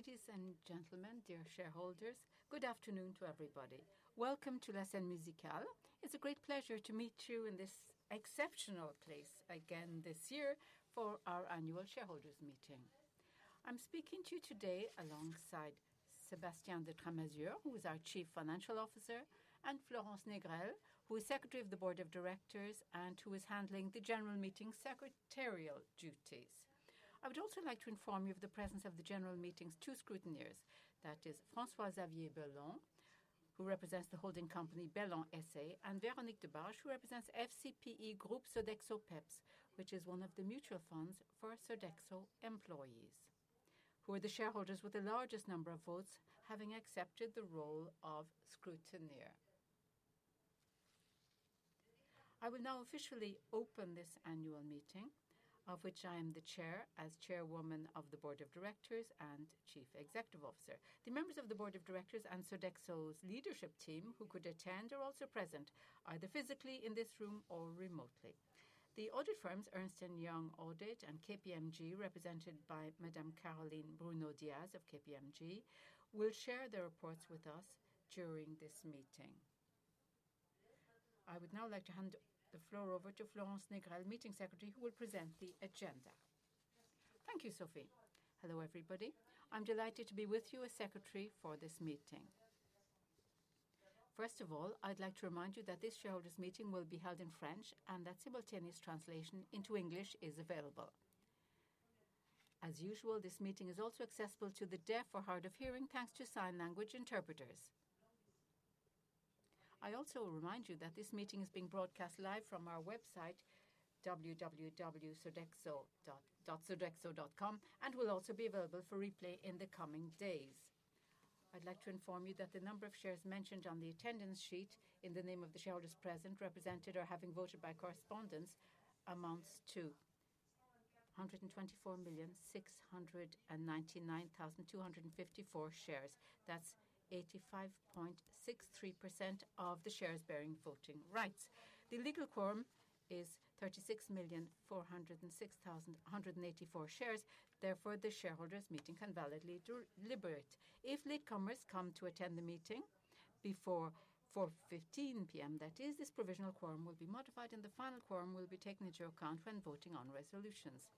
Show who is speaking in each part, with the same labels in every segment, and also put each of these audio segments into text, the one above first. Speaker 1: Ladies and gentlemen, dear shareholders, good afternoon to everybody. Welcome to La Scène Musicale. It's a great pleasure to meet you in this exceptional place again this year for our annual shareholders meeting. I'm speaking to you today alongside Sébastien de Tramasure, who is our Chief Financial Officer, and Florence Négrel, who is Secretary of the Board of Directors and who is handling the General Meeting secretarial duties. I would also like to inform you of the presence of the General Meeting's two scrutineers. That is François-Xavier Bellon, who represents the holding company Bellon SA, and Véronique de Baecque, who represents FCPE Group Sodexo PEPS, which is one of the mutual funds for Sodexo employees, who are the shareholders with the largest number of votes having accepted the role of scrutineer. I will now officially open this annual meeting, of which I am the Chair as Chairwoman of the Board of Directors and Chief Executive Officer. The members of the Board of Directors and Sodexo's leadership team, who could attend or also present, either physically in this room or remotely. The audit firms Ernst & Young Audit and KPMG, represented by Madame Caroline Bruno-Diaz of KPMG, will share their reports with us during this meeting. I would now like to hand the floor over to Florence Négrel, Meeting Secretary, who will present the agenda. Thank you, Sophie. Hello, everybody. I'm delighted to be with you as Secretary for this meeting. First of all, I'd like to remind you that this shareholders' meeting will be held in French and that simultaneous translation into English is available. As usual, this meeting is also accessible to the deaf or hard of hearing thanks to sign language interpreters. I also remind you that this meeting is being broadcast live from our website, www.sodexo.com, and will also be available for replay in the coming days. I'd like to inform you that the number of shares mentioned on the attendance sheet in the name of the shareholders present, represented, or having voted by correspondence amounts to 124,699,254 shares. That's 85.63% of the shares bearing voting rights. The legal quorum is 36,406,184 shares. Therefore, the shareholders meeting can validly deliberate. If latecomers come to attend the meeting before 4:15 P.M., that is, this provisional quorum will be modified, and the final quorum will be taken into account when voting on resolutions.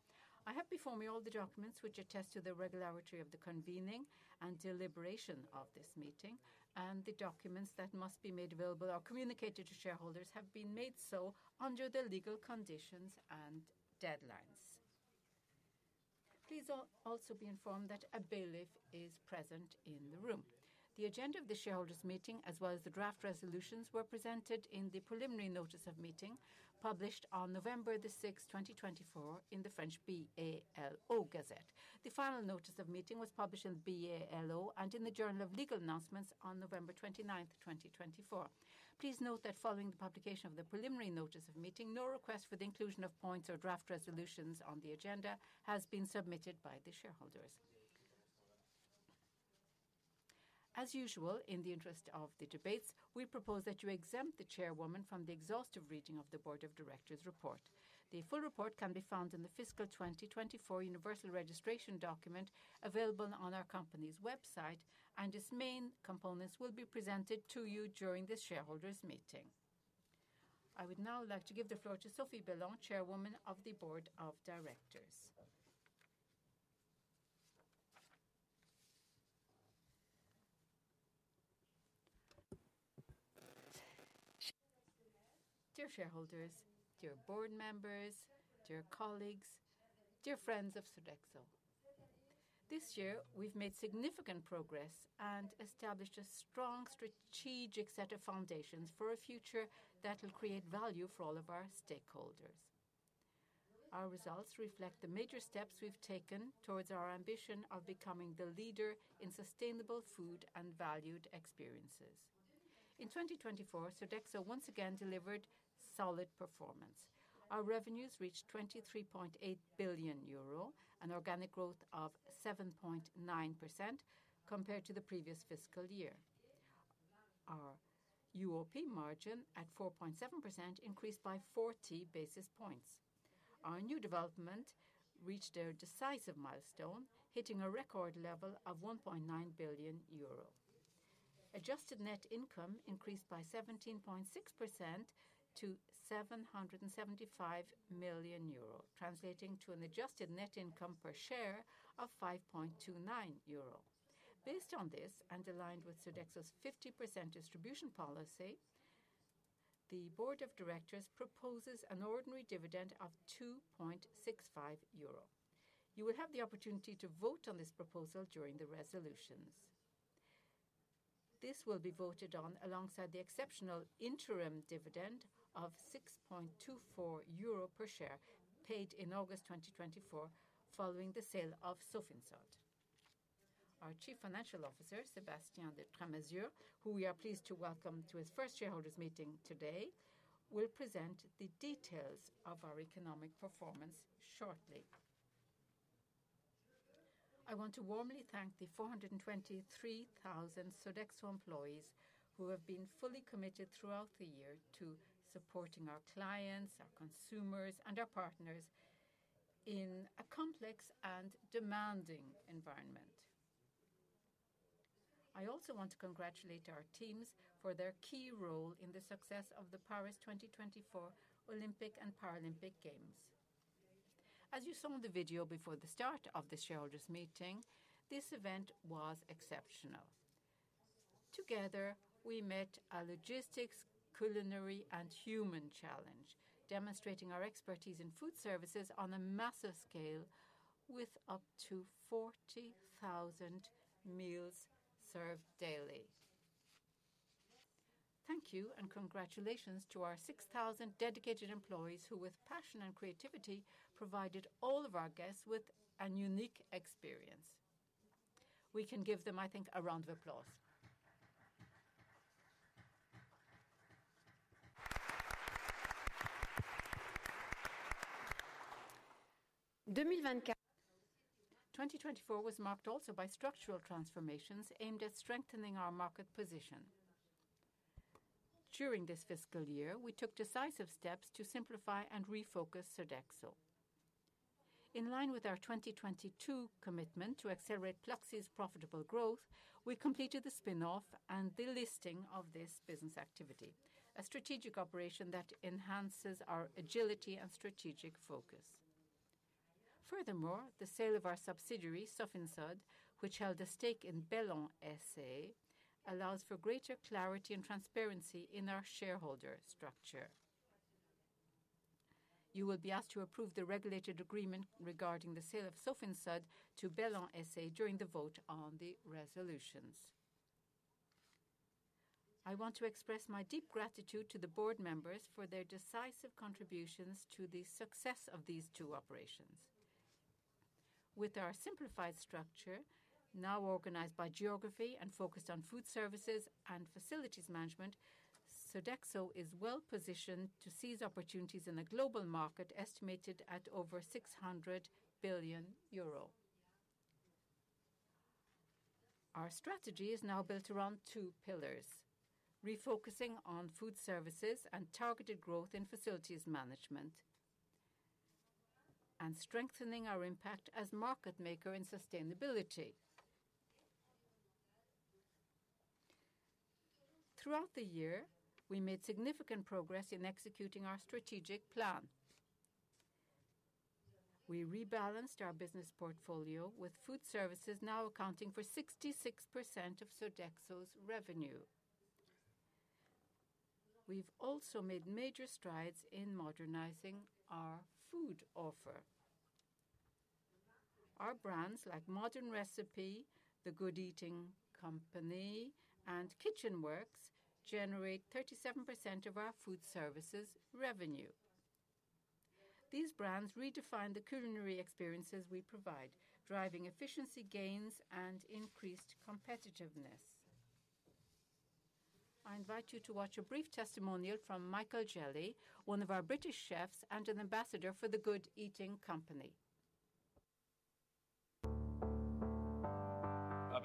Speaker 1: I have before me all the documents which attest to the regularity of the convening and deliberation of this meeting, and the documents that must be made available or communicated to shareholders have been made so under the legal conditions and deadlines. Please also be informed that a bailiff is present in the room. The agenda of the shareholders meeting, as well as the draft resolutions, were presented in the preliminary notice of meeting published on November the 6th, 2024, in the French BALO Gazette. The final notice of meeting was published in the BALO and in the Journal of Legal Announcements on November 29th, 2024. Please note that following the publication of the preliminary notice of meeting, no request for the inclusion of points or draft resolutions on the agenda has been submitted by the shareholders. As usual, in the interest of the debates, we propose that you exempt the Chairwoman from the exhaustive reading of the Board of Directors' report. The full report can be found in the Fiscal 2024 Universal Registration Document available on our company's website, and its main components will be presented to you during this shareholders meeting. I would now like to give the floor to Sophie Bellon, Chairwoman of the Board of Directors. Dear shareholders, dear board members, dear colleagues, dear friends of Sodexo. This year, we've made significant progress and established a strong strategic set of foundations for a future that will create value for all of our stakeholders. Our results reflect the major steps we've taken towards our ambition of becoming the leader in sustainable food and valued experiences. In 2024, Sodexo once again delivered solid performance. Our revenues reached 23.8 billion euro and organic growth of 7.9% compared to the previous fiscal year. Our UOP margin at 4.7% increased by 40 basis points. Our new development reached a decisive milestone, hitting a record level of 1.9 billion euros. Adjusted net income increased by 17.6% to 775 million euro, translating to an adjusted net income per share of 5.29 euro. Based on this, and aligned with Sodexo's 50% distribution policy, the Board of Directors proposes an ordinary dividend of 2.65 euro. You will have the opportunity to vote on this proposal during the resolutions. This will be voted on alongside the exceptional interim dividend of 6.24 euro per share paid in August 2024 following the sale of Sofinsod. Our Chief Financial Officer, Sébastien de Tramasure, who we are pleased to welcome to his first shareholders meeting today, will present the details of our economic performance shortly. I want to warmly thank the 423,000 Sodexo employees who have been fully committed throughout the year to supporting our clients, our consumers, and our partners in a complex and demanding environment. I also want to congratulate our teams for their key role in the success of the Paris 2024 Olympic and Paralympic Games. As you saw in the video before the start of this shareholders meeting, this event was exceptional. Together, we met a logistics, culinary, and human challenge, demonstrating our expertise in food services on a massive scale with up to 40,000 meals served daily. Thank you and congratulations to our 6,000 dedicated employees who, with passion and creativity, provided all of our guests with a unique experience. We can give them, I think, a round of applause. 2024 was marked also by structural transformations aimed at strengthening our market position. During this fiscal year, we took decisive steps to simplify and refocus Sodexo. In line with our 2022 commitment to accelerate Pluxee's profitable growth, we completed the spin-off and the listing of this business activity, a strategic operation that enhances our agility and strategic focus. Furthermore, the sale of our subsidiary, Sofinsod, which held a stake in Bellon SA, allows for greater clarity and transparency in our shareholder structure. You will be asked to approve the regulated agreement regarding the sale of Sofinsod to Bellon SA during the vote on the resolutions. I want to express my deep gratitude to the board members for their decisive contributions to the success of these two operations. With our simplified structure, now organized by geography and focused on food services and facilities management, Sodexo is well positioned to seize opportunities in a global market estimated at over 600 billion euro. Our strategy is now built around two pillars: refocusing on food services and targeted growth in facilities management, and strengthening our impact as a market maker in sustainability. Throughout the year, we made significant progress in executing our strategic plan. We rebalanced our business portfolio with food services now accounting for 66% of Sodexo's revenue. We've also made major strides in modernizing our food offer. Our brands like Modern Recipe, The Good Eating Company, and Kitchen Works generate 37% of our food services revenue. These brands redefine the culinary experiences we provide, driving efficiency gains and increased competitiveness. I invite you to watch a brief testimonial from Michael Jelly, one of our British chefs and an ambassador for The Good Eating Company.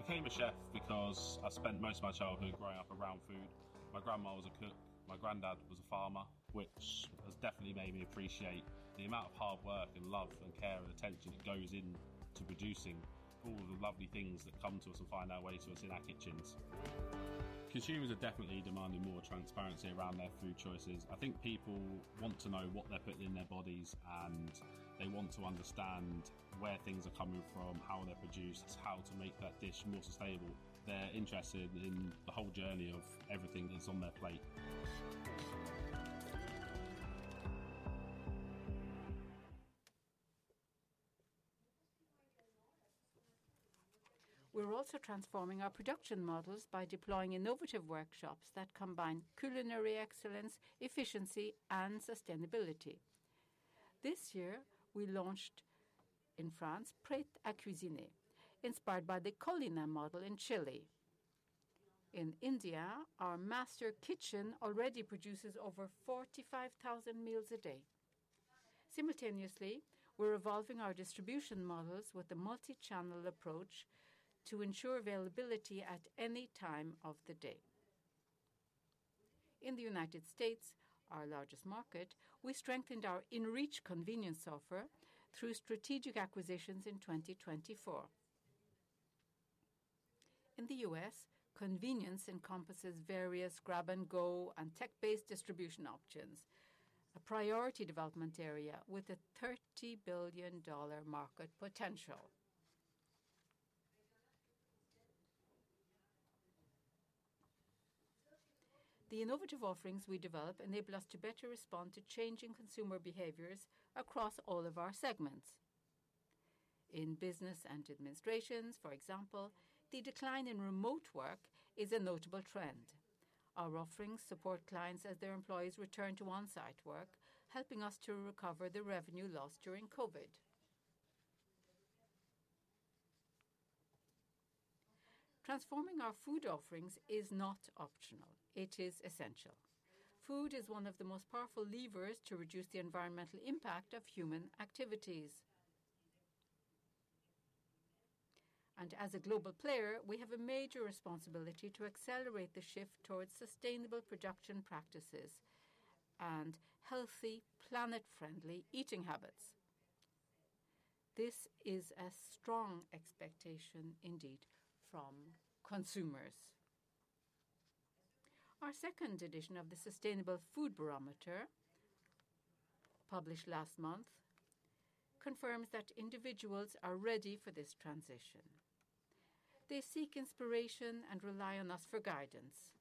Speaker 2: I became a chef because I spent most of my childhood growing up around food. My grandma was a cook. My granddad was a farmer, which has definitely made me appreciate the amount of hard work and love and care and attention that goes into producing all of the lovely things that come to us and find our way to us in our kitchens. Consumers are definitely demanding more transparency around their food choices. I think people want to know what they're putting in their bodies, and they want to understand where things are coming from, how they're produced, how to make that dish more sustainable. They're interested in the whole journey of everything that's on their plate.
Speaker 1: We're also transforming our production models by deploying innovative workshops that combine culinary excellence, efficiency, and sustainability. This year, we launched in France Prêt à Cuisiner, inspired by the CulinArt model in Chile. In India, our master kitchen already produces over 45,000 meals a day. Simultaneously, we're evolving our distribution models with a multi-channel approach to ensure availability at any time of the day. In the United States, our largest market, we strengthened our InReach convenience offer through strategic acquisitions in 2024. In the US, convenience encompasses various grab-and-go and tech-based distribution options, a priority development area with a $30 billion market potential. The innovative offerings we develop enable us to better respond to changing consumer behaviors across all of our segments. In business and administrations, for example, the decline in remote work is a notable trend. Our offerings support clients as their employees return to on-site work, helping us to recover the revenue lost during COVID. Transforming our food offerings is not optional. It is essential. Food is one of the most powerful levers to reduce the environmental impact of human activities, and as a global player, we have a major responsibility to accelerate the shift towards sustainable production practices and healthy, planet-friendly eating habits. This is a strong expectation indeed from consumers. Our second edition of the Sustainable Food Barometer, published last month, confirms that individuals are ready for this transition. They seek inspiration and rely on us for guidance.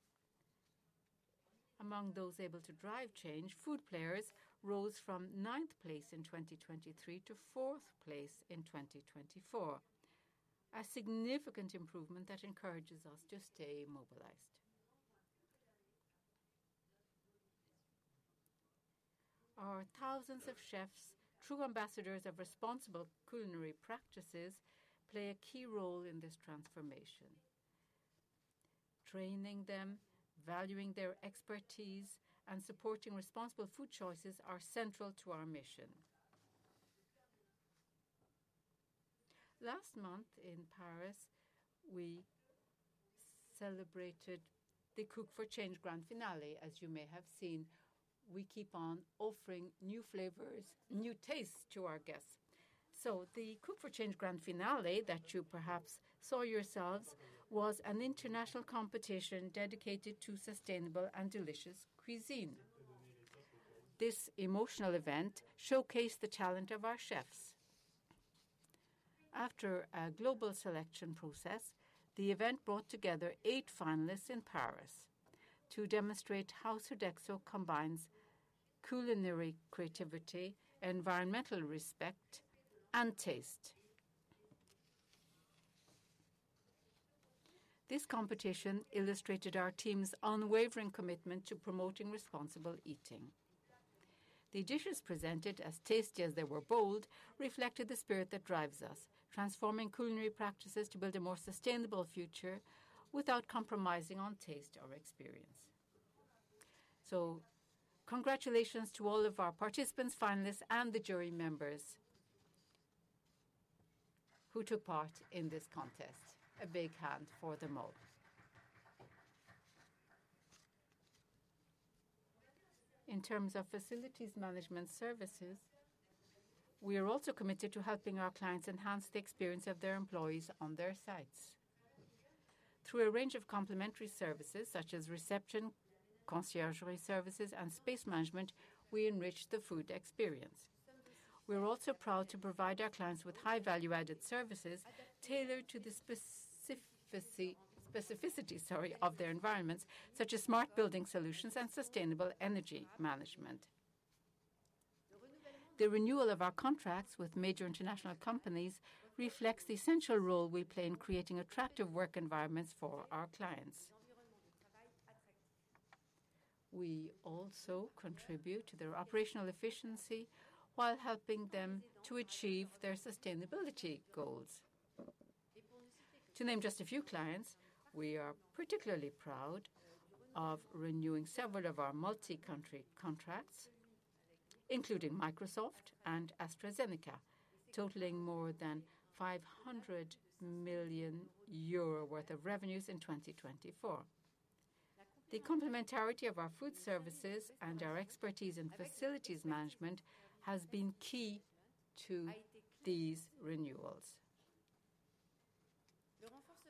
Speaker 1: Among those able to drive change, food players rose from ninth place in 2023 to fourth place in 2024, a significant improvement that encourages us to stay mobilized. Our thousands of chefs, true ambassadors of responsible culinary practices, play a key role in this transformation. Training them, valuing their expertise, and supporting responsible food choices are central to our mission. Last month in Paris, we celebrated the Cook for Change Grand Finale. As you may have seen, we keep on offering new flavors, new tastes to our guests. So the Cook for Change Grand Finale that you perhaps saw yourselves was an international competition dedicated to sustainable and delicious cuisine. This emotional event showcased the talent of our chefs. After a global selection process, the event brought together eight finalists in Paris to demonstrate how Sodexo combines culinary creativity, environmental respect, and taste. This competition illustrated our team's unwavering commitment to promoting responsible eating. The dishes presented, as tasty as they were bold, reflected the spirit that drives us, transforming culinary practices to build a more sustainable future without compromising on taste or experience. So congratulations to all of our participants, finalists, and the jury members who took part in this contest. A big hand for them all. In terms of facilities management services, we are also committed to helping our clients enhance the experience of their employees on their sites. Through a range of complementary services such as reception, concierge services, and space management, we enrich the food experience. We are also proud to provide our clients with high-value-added services tailored to the specificity of their environments, such as smart building solutions and sustainable energy management. The renewal of our contracts with major international companies reflects the essential role we play in creating attractive work environments for our clients. We also contribute to their operational efficiency while helping them to achieve their sustainability goals. To name just a few clients, we are particularly proud of renewing several of our multi-country contracts, including Microsoft and AstraZeneca, totaling more than 500 million euro worth of revenues in 2024. The complementarity of our food services and our expertise in facilities management has been key to these renewals.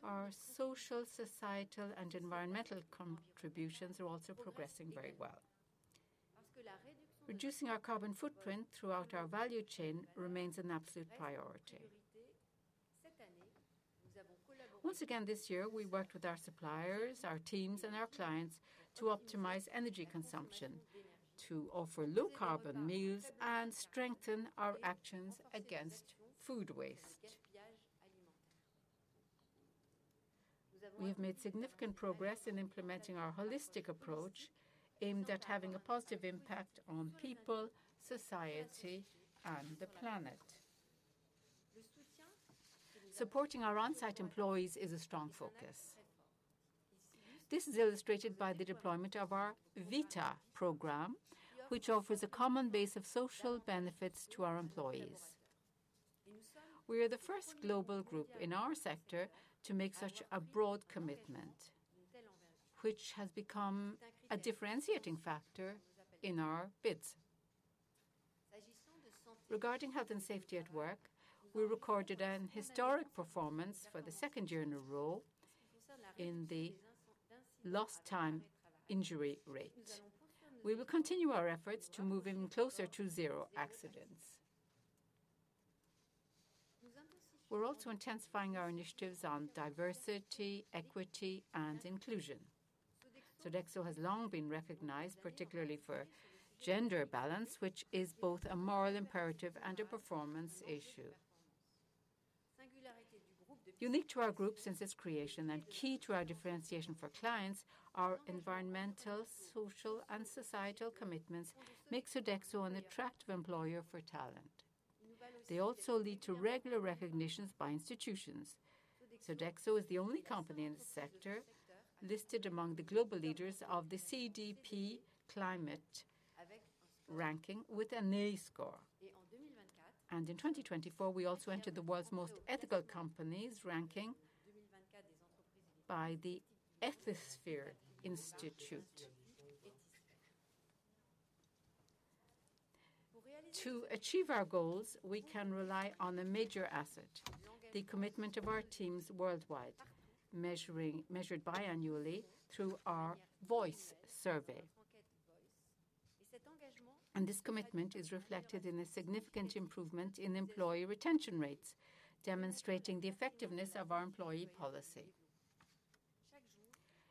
Speaker 1: Our social, societal, and environmental contributions are also progressing very well. Reducing our carbon footprint throughout our value chain remains an absolute priority. Once again this year, we worked with our suppliers, our teams, and our clients to optimize energy consumption, to offer low-carbon meals, and strengthen our actions against food waste. We have made significant progress in implementing our holistic approach aimed at having a positive impact on people, society, and the planet. Supporting our on-site employees is a strong focus. This is illustrated by the deployment of our VITA program, which offers a common base of social benefits to our employees. We are the first global group in our sector to make such a broad commitment, which has become a differentiating factor in our bids. Regarding health and safety at work, we recorded a historic performance for the second year in a row in the lost-time injury rate. We will continue our efforts to move even closer to zero accidents. We're also intensifying our initiatives on diversity, equity, and inclusion. Sodexo has long been recognized, particularly for gender balance, which is both a moral imperative and a performance issue. Unique to our group since its creation and key to our differentiation for clients, our environmental, social, and societal commitments make Sodexo an attractive employer for talent. They also lead to regular recognitions by institutions. Sodexo is the only company in the sector listed among the global leaders of the CDP Climate Ranking with an A score, and in 2024, we also entered the world's most ethical companies ranking by the Ethisphere Institute. To achieve our goals, we can rely on a major asset: the commitment of our teams worldwide, measured biannually through our Voice survey, and this commitment is reflected in a significant improvement in employee retention rates, demonstrating the effectiveness of our employee policy.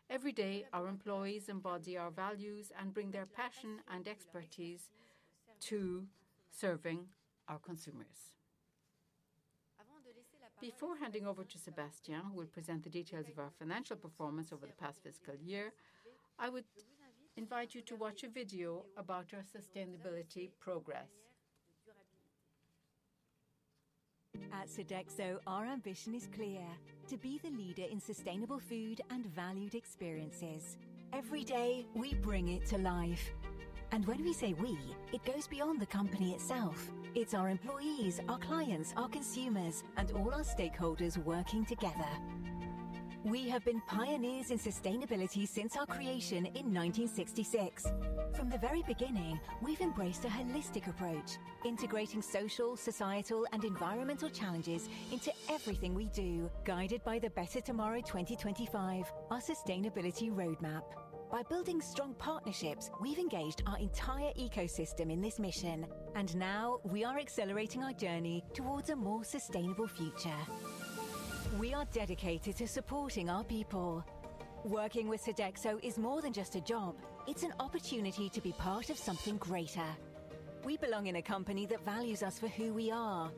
Speaker 1: Every day, our employees embody our values and bring their passion and expertise to serving our consumers. Before handing over to Sébastien, who will present the details of our financial performance over the past fiscal year, I would invite you to watch a video about our sustainability progress.
Speaker 2: At Sodexo, our ambition is clear: to be the leader in sustainable food and valued experiences. Every day, we bring it to life. And when we say we, it goes beyond the company itself. It's our employees, our clients, our consumers, and all our stakeholders working together. We have been pioneers in sustainability since our creation in 1966. From the very beginning, we've embraced a holistic approach, integrating social, societal, and environmental challenges into everything we do, guided by the Better Tomorrow 2025, our sustainability roadmap. By building strong partnerships, we've engaged our entire ecosystem in this mission. And now, we are accelerating our journey towards a more sustainable future. We are dedicated to supporting our people. Working with Sodexo is more than just a job. It's an opportunity to be part of something greater. We belong in a company that values us for who we are.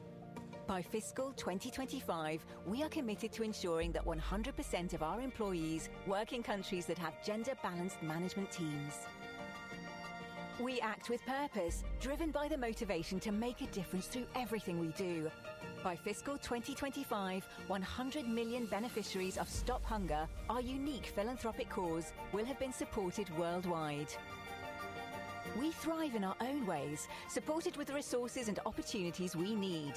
Speaker 2: By fiscal 2025, we are committed to ensuring that 100% of our employees work in countries that have gender-balanced management teams. We act with purpose, driven by the motivation to make a difference through everything we do. By fiscal 2025, 100 million beneficiaries of Stop Hunger, our unique philanthropic cause, will have been supported worldwide. We thrive in our own ways, supported with the resources and opportunities we need.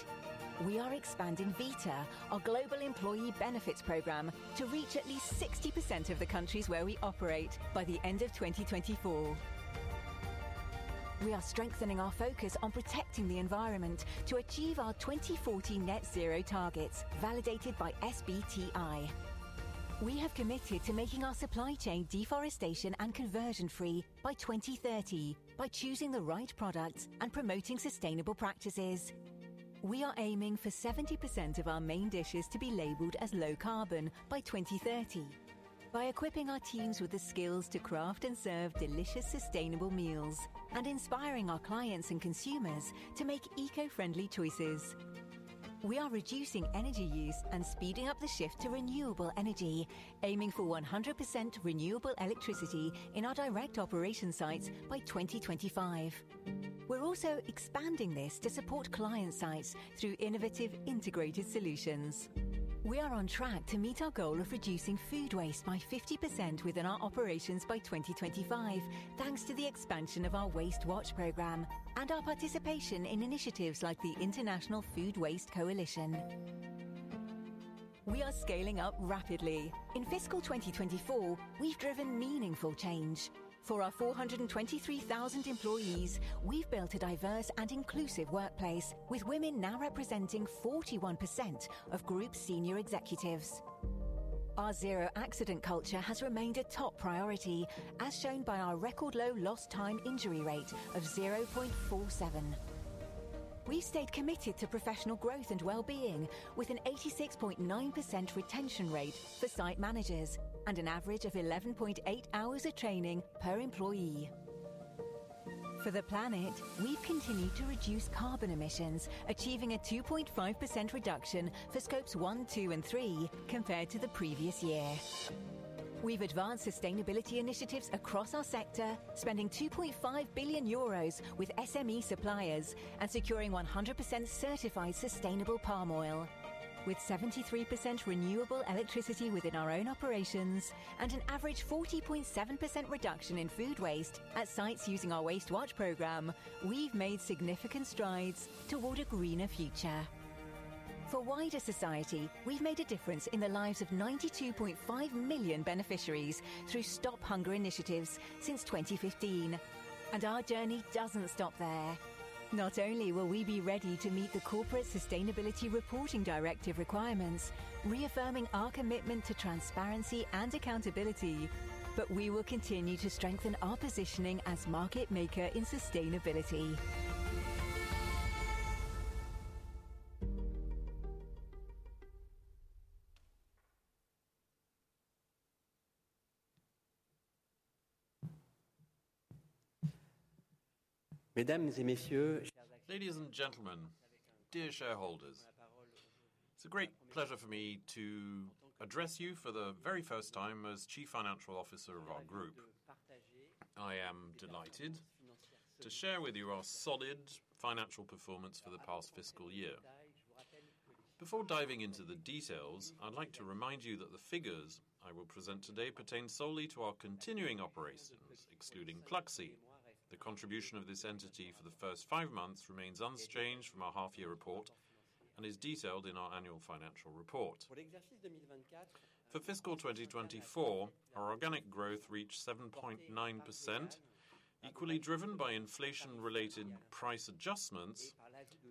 Speaker 2: We are expanding VITA, our global employee benefits program, to reach at least 60% of the countries where we operate by the end of 2024. We are strengthening our focus on protecting the environment to achieve our 2040 net zero targets, validated by SBTi. We have committed to making our supply chain deforestation and conversion-free by 2030 by choosing the right products and promoting sustainable practices. We are aiming for 70% of our main dishes to be labeled as low carbon by 2030 by equipping our teams with the skills to craft and serve delicious sustainable meals and inspiring our clients and consumers to make eco-friendly choices. We are reducing energy use and speeding up the shift to renewable energy, aiming for 100% renewable electricity in our direct operation sites by 2025. We're also expanding this to support client sites through innovative integrated solutions. We are on track to meet our goal of reducing food waste by 50% within our operations by 2025, thanks to the expansion of our WasteWatch program and our participation in initiatives like the International Food Waste Coalition. We are scaling up rapidly. In fiscal 2024, we've driven meaningful change. For our 423,000 employees, we've built a diverse and inclusive workplace, with women now representing 41% of group senior executives. Our zero accident culture has remained a top priority, as shown by our record-low lost-time injury rate of 0.47. We've stayed committed to professional growth and well-being, with an 86.9% retention rate for site managers and an average of 11.8 hours of training per employee. For the planet, we've continued to reduce carbon emissions, achieving a 2.5% reduction for Scope 1, 2, and 3 compared to the previous year. We've advanced sustainability initiatives across our sector, spending 2.5 billion euros with SME suppliers and securing 100% certified sustainable palm oil. With 73% renewable electricity within our own operations and an average 40.7% reduction in food waste at sites using our WasteWatch program, we've made significant strides toward a greener future. For wider society, we've made a difference in the lives of 92.5 million beneficiaries through Stop Hunger initiatives since 2015, and our journey doesn't stop there. Not only will we be ready to meet the Corporate Sustainability Reporting Directive requirements, reaffirming our commitment to transparency and accountability, but we will continue to strengthen our positioning as market maker in sustainability.
Speaker 3: Mesdames et Messieurs. Ladies and gentlemen, dear shareholders, it's a great pleasure for me to address you for the very first time as Chief Financial Officer of our group. I am delighted to share with you our solid financial performance for the past fiscal year. Before diving into the details, I'd like to remind you that the figures I will present today pertain solely to our continuing operations, excluding Pluxee. The contribution of this entity for the first five months remains unchanged from our half-year report and is detailed in our annual financial report. For fiscal 2024, our organic growth reached 7.9%, equally driven by inflation-related price adjustments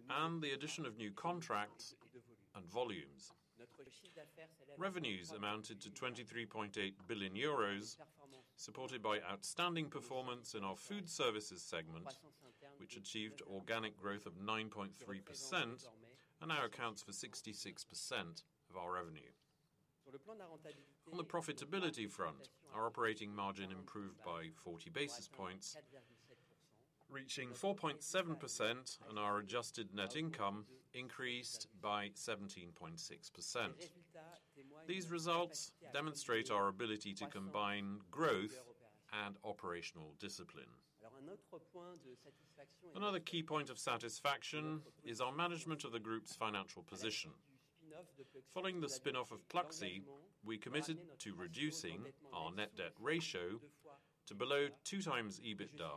Speaker 3: and the addition of new contracts and volumes. Revenues amounted to 23.8 billion euros, supported by outstanding performance in our food services segment, which achieved organic growth of 9.3% and now accounts for 66% of our revenue. On the profitability front, our operating margin improved by 40 basis points, reaching 4.7%, and our adjusted net income increased by 17.6%. These results demonstrate our ability to combine growth and operational discipline. Another key point of satisfaction is our management of the group's financial position. Following the spin-off of Pluxee, we committed to reducing our net debt ratio to below two times EBITDA.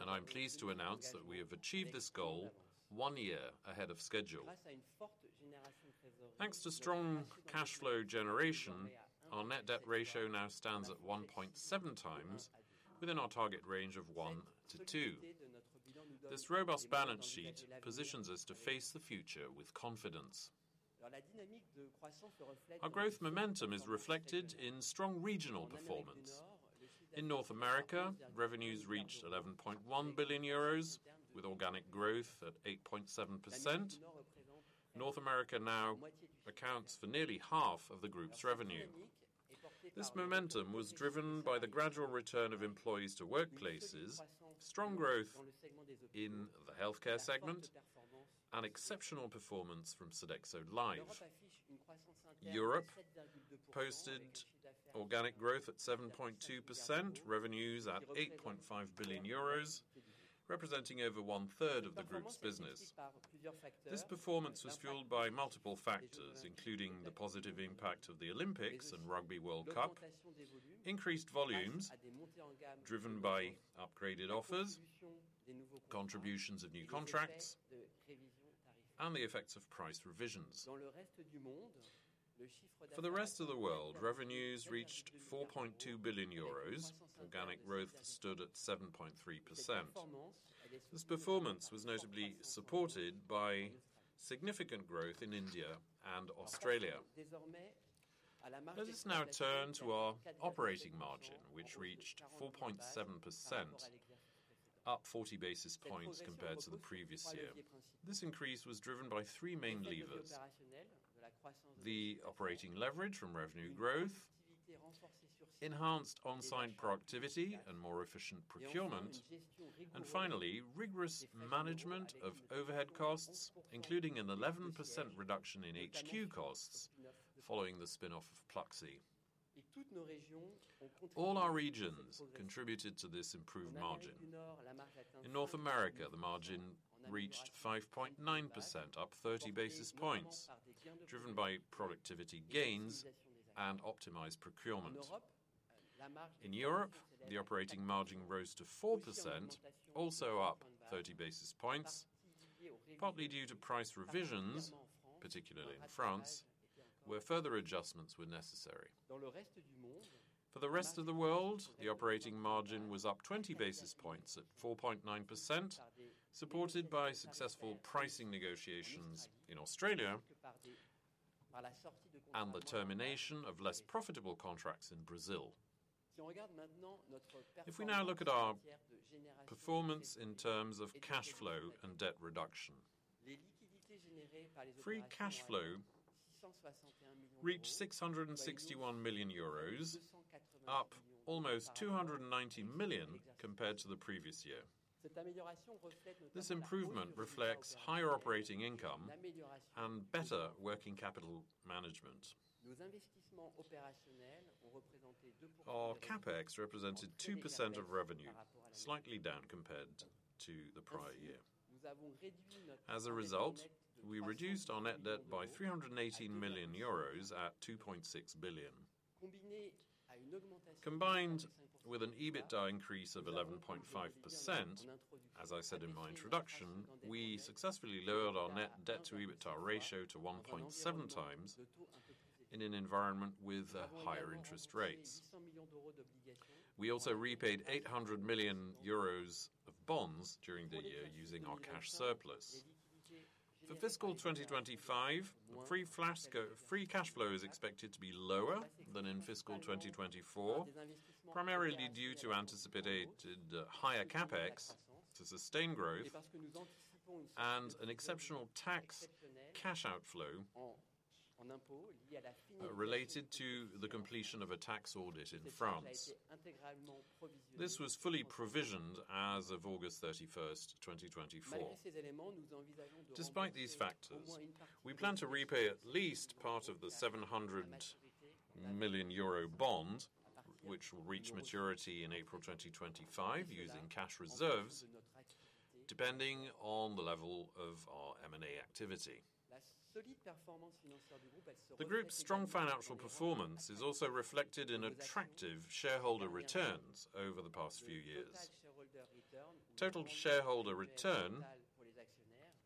Speaker 3: And I'm pleased to announce that we have achieved this goal one year ahead of schedule. Thanks to strong cash flow generation, our net debt ratio now stands at 1.7 times, within our target range of one to two. This robust balance sheet positions us to face the future with confidence. Our growth momentum is reflected in strong regional performance. In North America, revenues reached 11.1 billion euros, with organic growth at 8.7%. North America now accounts for nearly half of the group's revenue. This momentum was driven by the gradual return of employees to workplaces, strong growth in the healthcare segment, and exceptional performance from Sodexo Live!. Europe posted organic growth at 7.2%, revenues at 8.5 billion euros, representing over one-third of the group's business. This performance was fueled by multiple factors, including the positive impact of the Olympics and Rugby World Cup, increased volumes driven by upgraded offers, contributions of new contracts, and the effects of price revisions. For the rest of the world, revenues reached 4.2 billion euros, organic growth stood at 7.3%. This performance was notably supported by significant growth in India and Australia. Let us now turn to our operating margin, which reached 4.7%, up 40 basis points compared to the previous year. This increase was driven by three main levers: the operating leverage from revenue growth, enhanced on-site productivity and more efficient procurement, and finally, rigorous management of overhead costs, including an 11% reduction in HQ costs following the spin-off of Pluxee. All our regions contributed to this improved margin. In North America, the margin reached 5.9%, up 30 basis points, driven by productivity gains and optimized procurement. In Europe, the operating margin rose to 4%, also up 30 basis points, partly due to price revisions, particularly in France, where further adjustments were necessary. For the rest of the world, the operating margin was up 20 basis points at 4.9%, supported by successful pricing negotiations in Australia and the termination of less profitable contracts in Brazil. If we now look at our performance in terms of cash flow and debt reduction, free cash flow reached 661 million euros, up almost 290 million compared to the previous year. This improvement reflects higher operating income and better working capital management. Our CapEx represented 2% of revenue, slightly down compared to the prior year. As a result, we reduced our net debt by 318 million euros at 2.6 billion. Combined with an EBITDA increase of 11.5%, as I said in my introduction, we successfully lowered our net debt-to-EBITDA ratio to 1.7 times in an environment with higher interest rates. We also repaid 800 million euros of bonds during the year using our cash surplus. For fiscal 2025, free cash flow is expected to be lower than in fiscal 2024, primarily due to anticipated higher CapEx to sustain growth and an exceptional tax cash outflow related to the completion of a tax audit in France. This was fully provisioned as of August 31st, 2024. Despite these factors, we plan to repay at least part of the 700 million euro bond, which will reach maturity in April 2025, using cash reserves, depending on the level of our M&A activity. The group's strong financial performance is also reflected in attractive shareholder returns over the past few years. Total shareholder return,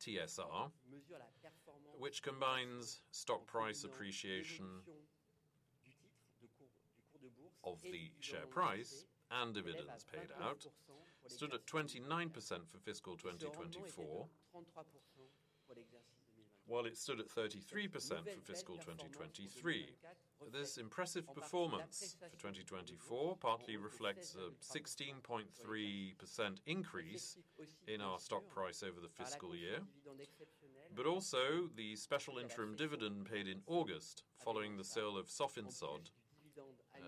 Speaker 3: TSR, which combines stock price appreciation of the share price and dividends paid out, stood at 29% for fiscal 2024, while it stood at 33% for fiscal 2023. This impressive performance for 2024 partly reflects a 16.3% increase in our stock price over the fiscal year, but also the special interim dividend paid in August following the sale of Sofinsod,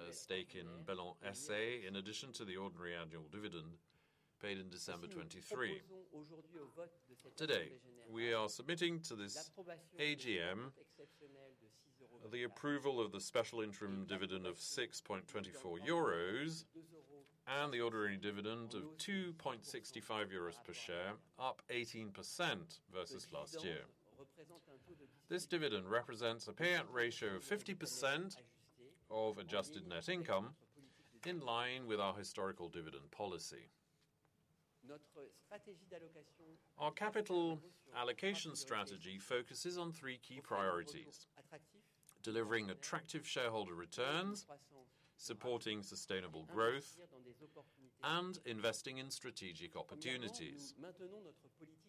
Speaker 3: a stake in Bellon SA, in addition to the ordinary annual dividend paid in December 2023. Today, we are submitting to this AGM the approval of the special interim dividend of 6.24 euros and the ordinary dividend of 2.65 euros per share, up 18% versus last year. This dividend represents a payout ratio of 50% of adjusted net income in line with our historical dividend policy. Our capital allocation strategy focuses on three key priorities: delivering attractive shareholder returns, supporting sustainable growth, and investing in strategic opportunities.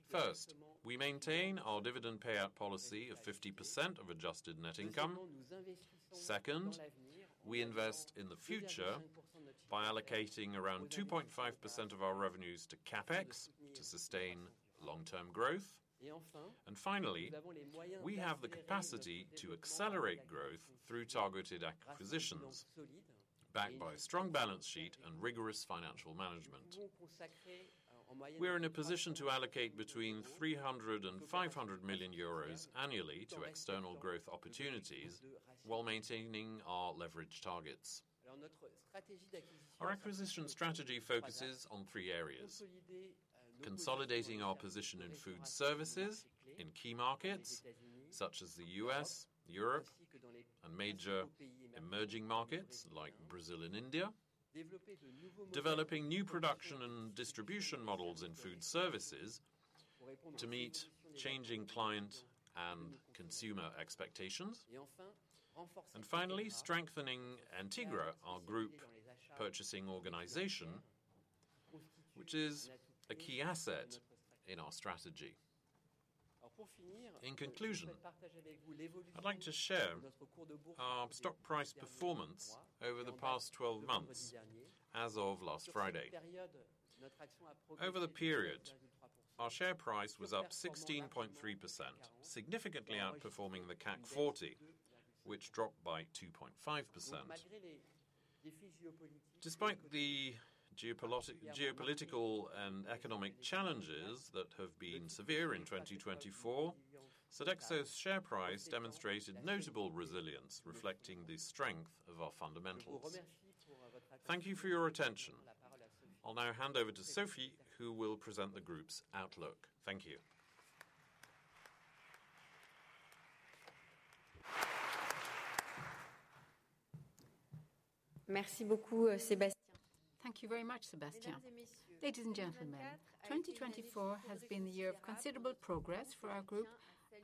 Speaker 3: First, we maintain our dividend payout policy of 50% of adjusted net income. Second, we invest in the future by allocating around 2.5% of our revenues to CapEx to sustain long-term growth. And finally, we have the capacity to accelerate growth through targeted acquisitions, backed by a strong balance sheet and rigorous financial management. We're in a position to allocate between 300 million and 500 million euros annually to external growth opportunities while maintaining our leverage targets. Our acquisition strategy focuses on three areas: consolidating our position in food services in key markets such as the U.S., Europe, and major emerging markets like Brazil and India, developing new production and distribution models in food services to meet changing client and consumer expectations, and finally, strengthening Entegra, our group purchasing organization, which is a key asset in our strategy. In conclusion, I'd like to share our stock price performance over the past 12 months as of last Friday. Over the period, our share price was up 16.3%, significantly outperforming the CAC 40, which dropped by 2.5%. Despite the geopolitical and economic challenges that have been severe in 2024, Sodexo's share price demonstrated notable resilience, reflecting the strength of our fundamentals. Thank you for your attention. I'll now hand over to Sophie, who will present the group's outlook.
Speaker 1: Thank you. Merci beaucoup, Sébastien. Thank you very much, Sébastien. Ladies and gentlemen, 2024 has been the year of considerable progress for our group,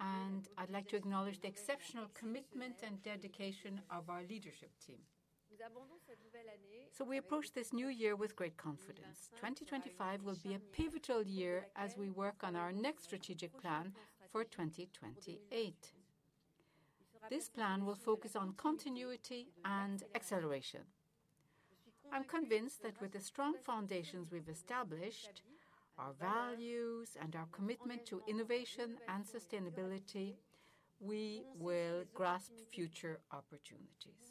Speaker 1: and I'd like to acknowledge the exceptional commitment and dedication of our leadership team. So we approach this new year with great confidence. 2025 will be a pivotal year as we work on our next strategic plan for 2028. This plan will focus on continuity and acceleration. I'm convinced that with the strong foundations we've established, our values, and our commitment to innovation and sustainability, we will grasp future opportunities.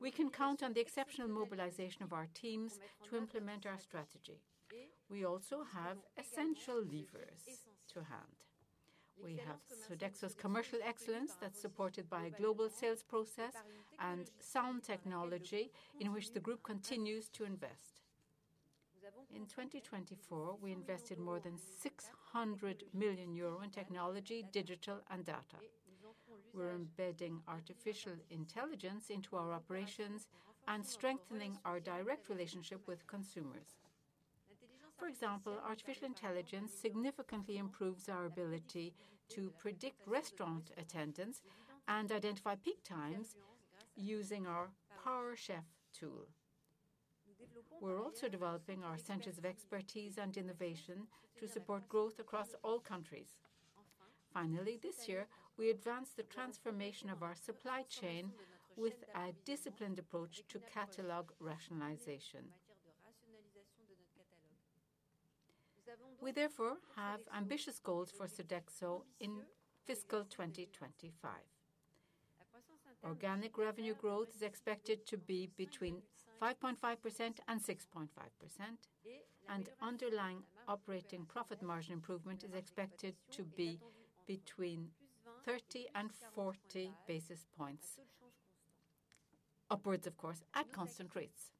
Speaker 1: We can count on the exceptional mobilization of our teams to implement our strategy. We also have essential levers to hand. We have Sodexo's commercial excellence that's supported by a global sales process and sound technology in which the group continues to invest. In 2024, we invested more than 600 million euro in technology, digital, and data. We're embedding artificial intelligence into our operations and strengthening our direct relationship with consumers. For example, artificial intelligence significantly improves our ability to predict restaurant attendance and identify peak times using PowerChef tool. We're also developing our centers of expertise and innovation to support growth across all countries. Finally, this year, we advanced the transformation of our supply chain with a disciplined approach to catalog rationalization. We therefore have ambitious goals for Sodexo in fiscal 2025. Organic revenue growth is expected to be between 5.5% and 6.5%, and underlying operating profit margin improvement is expected to be between 30 and 40 basis points, upwards, of course, at constant rates.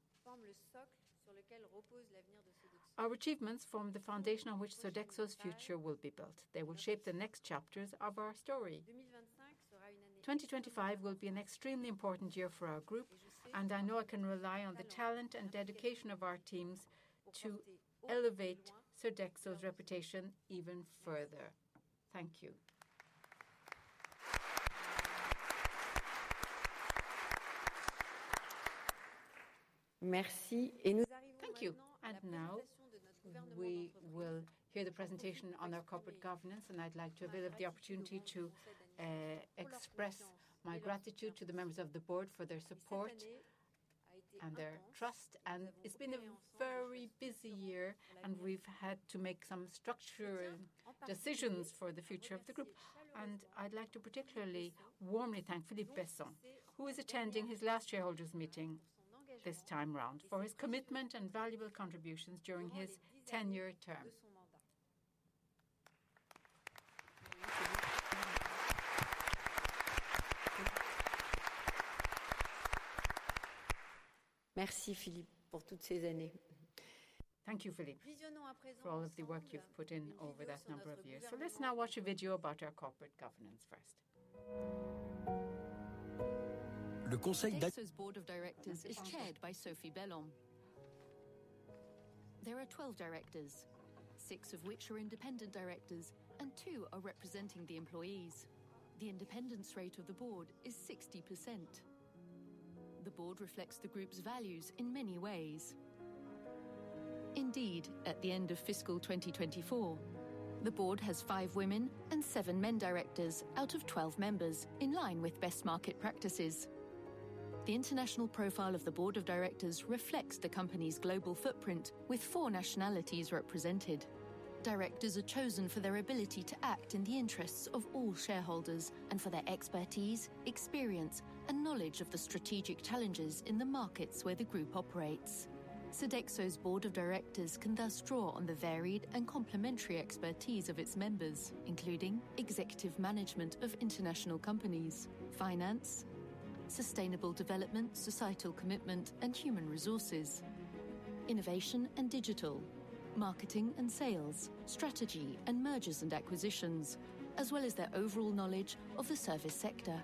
Speaker 1: Our achievements form the foundation on which Sodexo's future will be built. They will shape the next chapters of our story. 2025 will be an extremely important year for our group, and I know I can rely on the talent and dedication of our teams to elevate Sodexo's reputation even further. Thank you. Merci. Thank you. And now we will hear the presentation on our corporate governance, and I'd like to avail of the opportunity to express my gratitude to the members of the board for their support and their trust. It's been a very busy year, and we've had to make some structural decisions for the future of the group. I'd like to particularly warmly thank Philippe Besson, who is attending his last shareholders' meeting this time around for his commitment and valuable contributions during his tenure term. Merci, Philippe, pour toutes ces années. Thank you, Philippe, for all of the work you've put in over that number of years. Let's now watch a video about our corporate governance first.
Speaker 2: Le conseil d'administration de Sodexo's board of directors is chaired by Sophie Bellon. There are 12 directors, six of which are independent directors, and two are representing the employees. The independence rate of the board is 60%. The board reflects the group's values in many ways. Indeed, at the end of fiscal 2024, the board has five women and seven men directors out of 12 members, in line with best market practices. The international profile of the board of directors reflects the company's global footprint, with four nationalities represented. Directors are chosen for their ability to act in the interests of all shareholders and for their expertise, experience, and knowledge of the strategic challenges in the markets where the group operates. Sodexo's board of directors can thus draw on the varied and complementary expertise of its members, including executive management of international companies, finance, sustainable development, societal commitment, and human resources, innovation and digital, marketing and sales, strategy and mergers and acquisitions, as well as their overall knowledge of the service sector.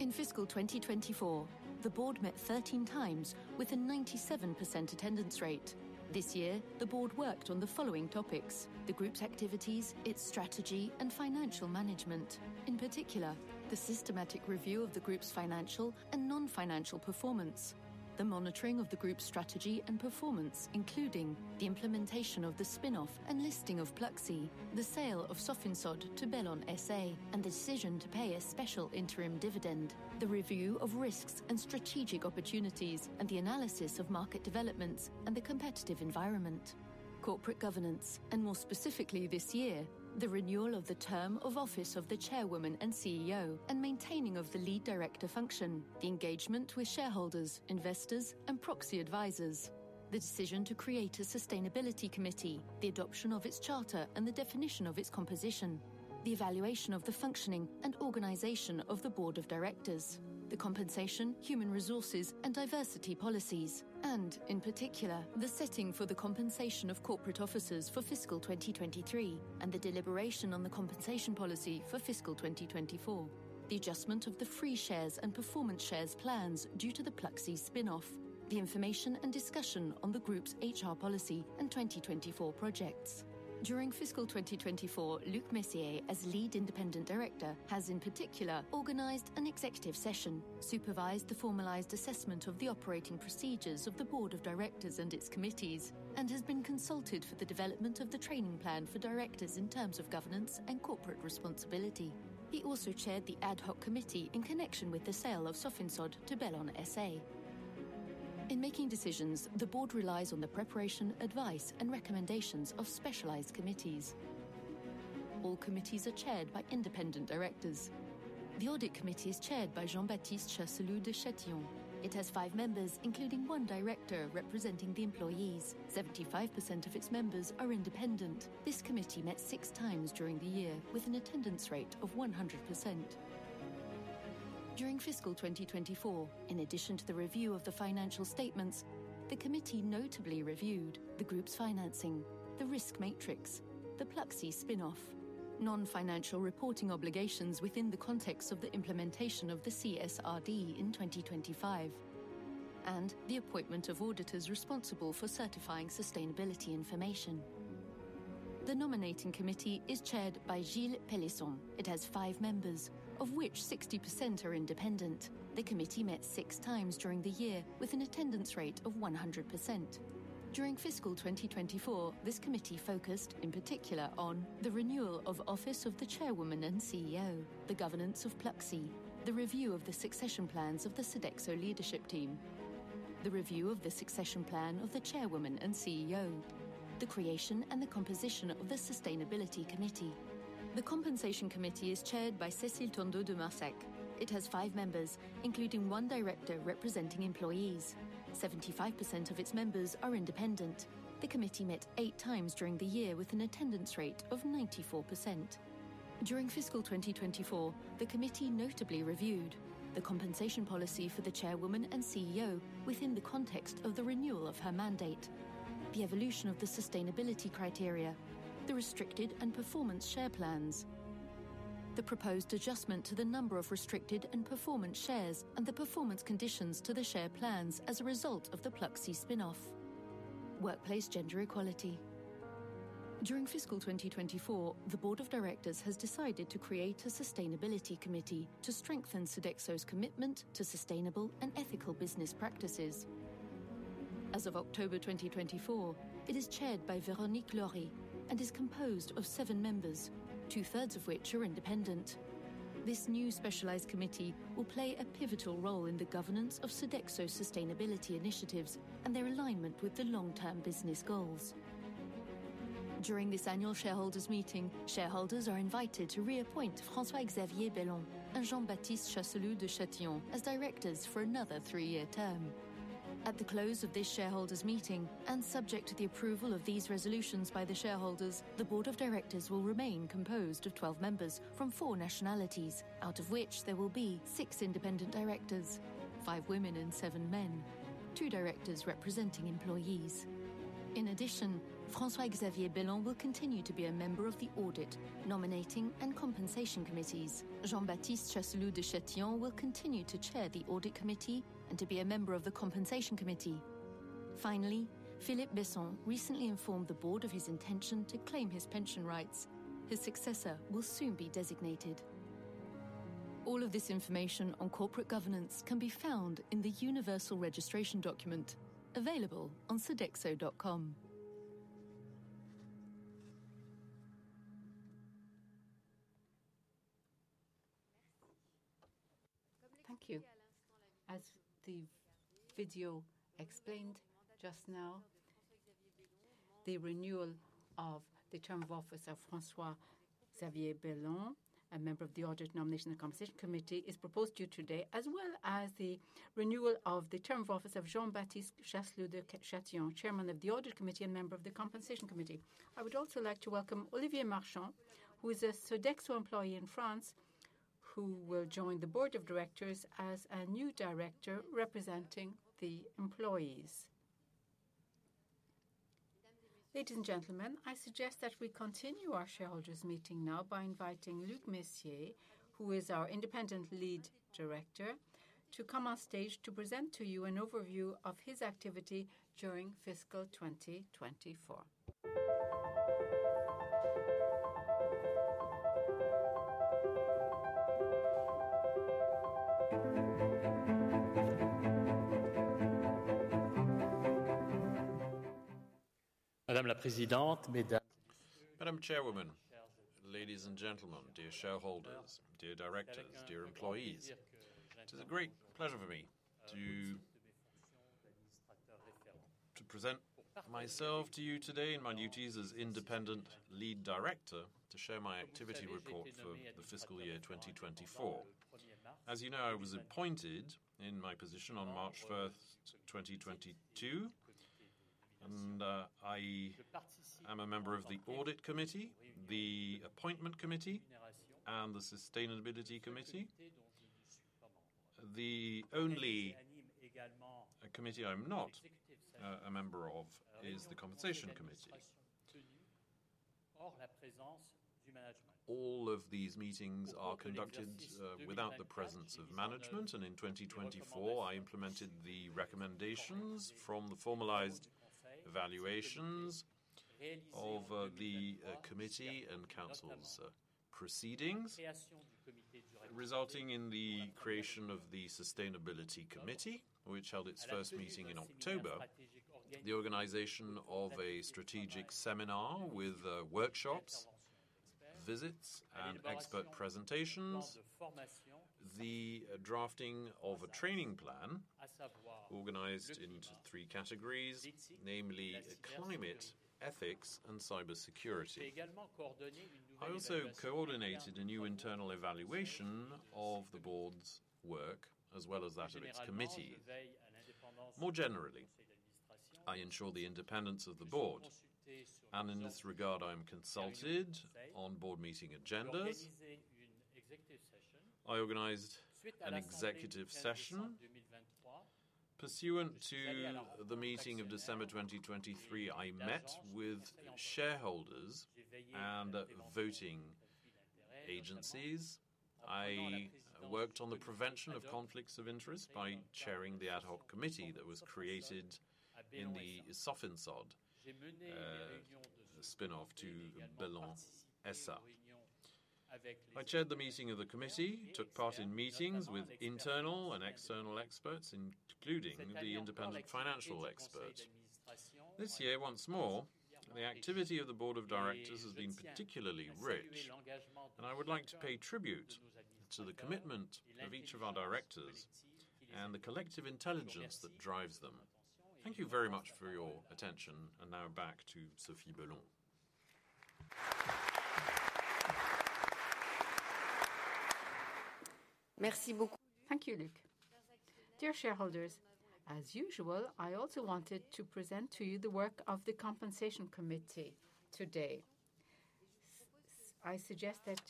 Speaker 2: In fiscal 2024, the board met 13 times with a 97% attendance rate. This year, the board worked on the following topics: the group's activities, its strategy, and financial management. In particular, the systematic review of the group's financial and non-financial performance, the monitoring of the group's strategy and performance, including the implementation of the spin-off and listing of Pluxee, the sale of Sofinsod to Bellon SA, and the decision to pay a special interim dividend, the review of risks and strategic opportunities, and the analysis of market developments and the competitive environment, corporate governance, and more specifically this year, the renewal of the term of office of the Chairwoman and CEO, and maintaining of the Lead Director function, the engagement with shareholders, investors, and proxy advisors, the decision to create a sustainability committee, the adoption of its charter and the definition of its composition, the evaluation of the functioning and organization of the board of directors, the compensation, human resources, and diversity policies, and in particular, the setting for the compensation of corporate officers for fiscal 2023, and the deliberation on the compensation policy for fiscal 2024, the adjustment of the free shares and performance shares plans due to the Pluxee spin-off, the information and discussion on the group's HR policy and 2024 projects. During fiscal 2024, Luc Messier, as lead independent director, has in particular organized an executive session, supervised the formalized assessment of the operating procedures of the board of directors and its committees, and has been consulted for the development of the training plan for directors in terms of governance and corporate responsibility. He also chaired the ad hoc committee in connection with the sale of Sofinsod to Bellon SA. In making decisions, the board relies on the preparation, advice, and recommendations of specialized committees. All committees are chaired by independent directors. The audit committee is chaired by Jean-Baptiste Chasseloup de Châtillon. It has 5 members, including one director representing the employees. 75% of its members are independent. This committee met 6 times during the year with an attendance rate of 100%. During fiscal 2024, in addition to the review of the financial statements, the committee notably reviewed the group's financing, the risk matrix, the Pluxee spin-off, non-financial reporting obligations within the context of the implementation of the CSRD in 2025, and the appointment of auditors responsible for certifying sustainability information. The Nominating Committee is chaired by Gilles Pélisson. It has five members, of which 60% are independent. The committee met six times during the year with an attendance rate of 100%. During fiscal 2024, this committee focused in particular on the renewal of office of the chairwoman and CEO, the governance of Pluxee, the review of the succession plans of the Sodexo leadership team, the review of the succession plan of the chairwoman and CEO, the creation and the composition of the sustainability committee. The Compensation Committee is chaired by Cécile Tandeau de Marsac. It has 5 members, including one director representing employees. 75% of its members are independent. The committee met eight times during the year with an attendance rate of 94%. During fiscal 2024, the committee notably reviewed the compensation policy for the Chairwoman and CEO within the context of the renewal of her mandate, the evolution of the sustainability criteria, the restricted and performance share plans, the proposed adjustment to the number of restricted and performance shares, and the performance conditions to the share plans as a result of the Pluxee spin-off, workplace gender equality. During fiscal 2024, the board of directors has decided to create a sustainability committee to strengthen Sodexo's commitment to sustainable and ethical business practices. As of October 2024, it is chaired by Véronique Laury and is composed of seven members, two-thirds of which are independent. This new specialized committee will play a pivotal role in the governance of Sodexo's sustainability initiatives and their alignment with the long-term business goals. During this annual shareholders' meeting, shareholders are invited to reappoint François-Xavier Bellon and Jean-Baptiste Chasseloup de Châtillon as directors for another three-year term. At the close of this shareholders' meeting, and subject to the approval of these resolutions by the shareholders, the board of directors will remain composed of 12 members from four nationalities, out of which there will be six independent directors, five women and seven men, two directors representing employees. In addition, François-Xavier Bellon will continue to be a member of the audit, nominating, and compensation committees. Jean-Baptiste Chasseloup de Châtillon will continue to chair the audit committee and to be a member of the compensation committee. Finally, Philippe Besson recently informed the board of his intention to claim his pension rights. His successor will soon be designated. All of this information on corporate governance can be found in the Universal Registration Document available on Sodexo.com. Thank you. As the video explained just now, the renewal of the term of office of François-Xavier Bellon, a member of the Audit, Nomination and Compensation Committee, is proposed to you today, as well as the renewal of the term of office of Jean-Baptiste Chasseloup de Châtillon, Chairman of the Audit Committee and member of the Compensation Committee. I would also like to welcome Olivier Marchand, who is a Sodexo employee in France, who will join the board of directors as a new director representing the employees. Ladies and gentlemen, I suggest that we continue our shareholders' meeting now by inviting Luc Messier, who is our Lead Independent Director, to come on stage to present to you an overview of his activity during fiscal 2024.
Speaker 4: Madame la présidente, mesdames les chairwomen, ladies and gentlemen, dear shareholders, dear directors, dear employees, it is a great pleasure for me to present myself to you today in my duties as Independent Lead Director to share my activity report for the fiscal year 2024. As you know, I was appointed in my position on March 1st, 2022, and I am a member of the Audit Committee, the Appointment Committee, and the Sustainability Committee. The only committee I'm not a member of is the Compensation Committee. All of these meetings are conducted without the presence of management, and in 2024, I implemented the recommendations from the formalized evaluations of the committee and council's proceedings, resulting in the creation of the Sustainability Committee, which held its first meeting in October, the organization of a strategic seminar with workshops, visits, and expert presentations, the drafting of a training plan organized into three categories, namely climate, ethics, and cybersecurity. I also coordinated a new internal evaluation of the Board's work, as well as that of its committee. More generally, I ensure the independence of the Board, and in this regard, I am consulted on Board meeting agendas. I organized an executive session. Pursuant to the meeting of December 2023, I met with shareholders and voting agencies. I worked on the prevention of conflicts of interest by chairing the ad hoc committee that was created in the Sofinsod spin-off to Bellon SA. I chaired the meeting of the committee, took part in meetings with internal and external experts, including the independent financial expert. This year, once more, the activity of the board of directors has been particularly rich, and I would like to pay tribute to the commitment of each of our directors and the collective intelligence that drives them. Thank you very much for your attention, and now back to Sophie Bellon. Merci. Thank you, Luc. Dear shareholders, as usual, I also wanted to present to you the work of the compensation committee today. I suggest that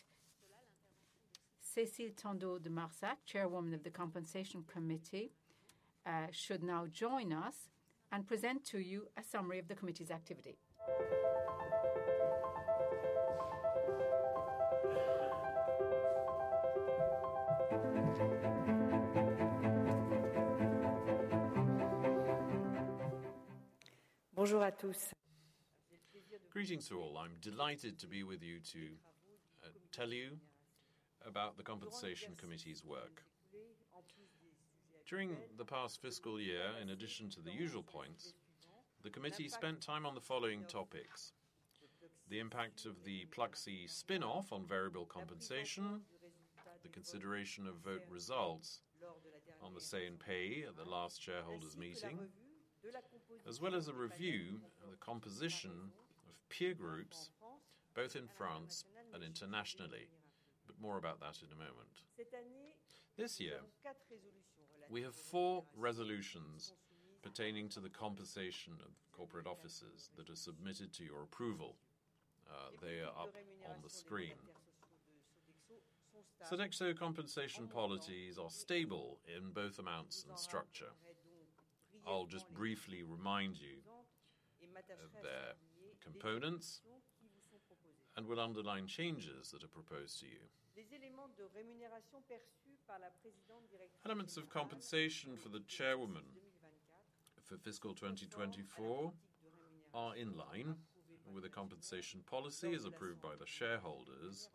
Speaker 4: Cécile Tandeau de Marsac, Chairwoman of the compensation committee, should now join us and present to you a summary of the committee's activity. Bonjour à tous. Greetings to all. I'm delighted to be with you to tell you about the compensation committee's work. During the past fiscal year, in addition to the usual points, the committee spent time on the following topics: the impact of the Pluxee spin-off on variable compensation, the consideration of vote results on the Say on Pay at the last shareholders' meeting, as well as a review of the composition of peer groups, both in France and internationally. But more about that in a moment. This year, we have four resolutions pertaining to the compensation of corporate officers that are submitted to your approval. They are up on the screen. Sodexo compensation policies are stable in both amounts and structure. I'll just briefly remind you of their components and will underline changes that are proposed to you. Les éléments de rémunération perçus par la présidente directrice. Elements of compensation for the chairwoman for fiscal 2024 are in line with the compensation policy as approved by the shareholders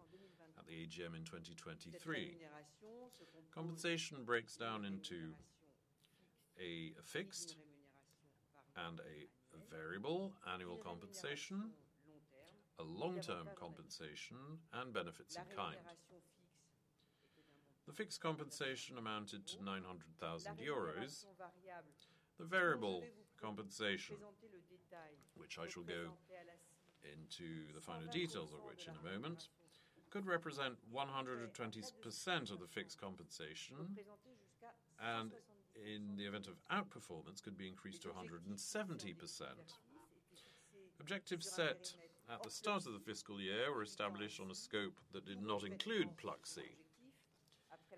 Speaker 4: at the AGM in 2023. Compensation breaks down into a fixed and a variable annual compensation, a long-term compensation, and benefits in kind. The fixed compensation amounted to 900,000 euros. The variable compensation, which I shall go into the final details of which in a moment, could represent 120% of the fixed compensation, and in the event of outperformance, could be increased to 170%. Objectives set at the start of the fiscal year were established on a scope that did not include Pluxee,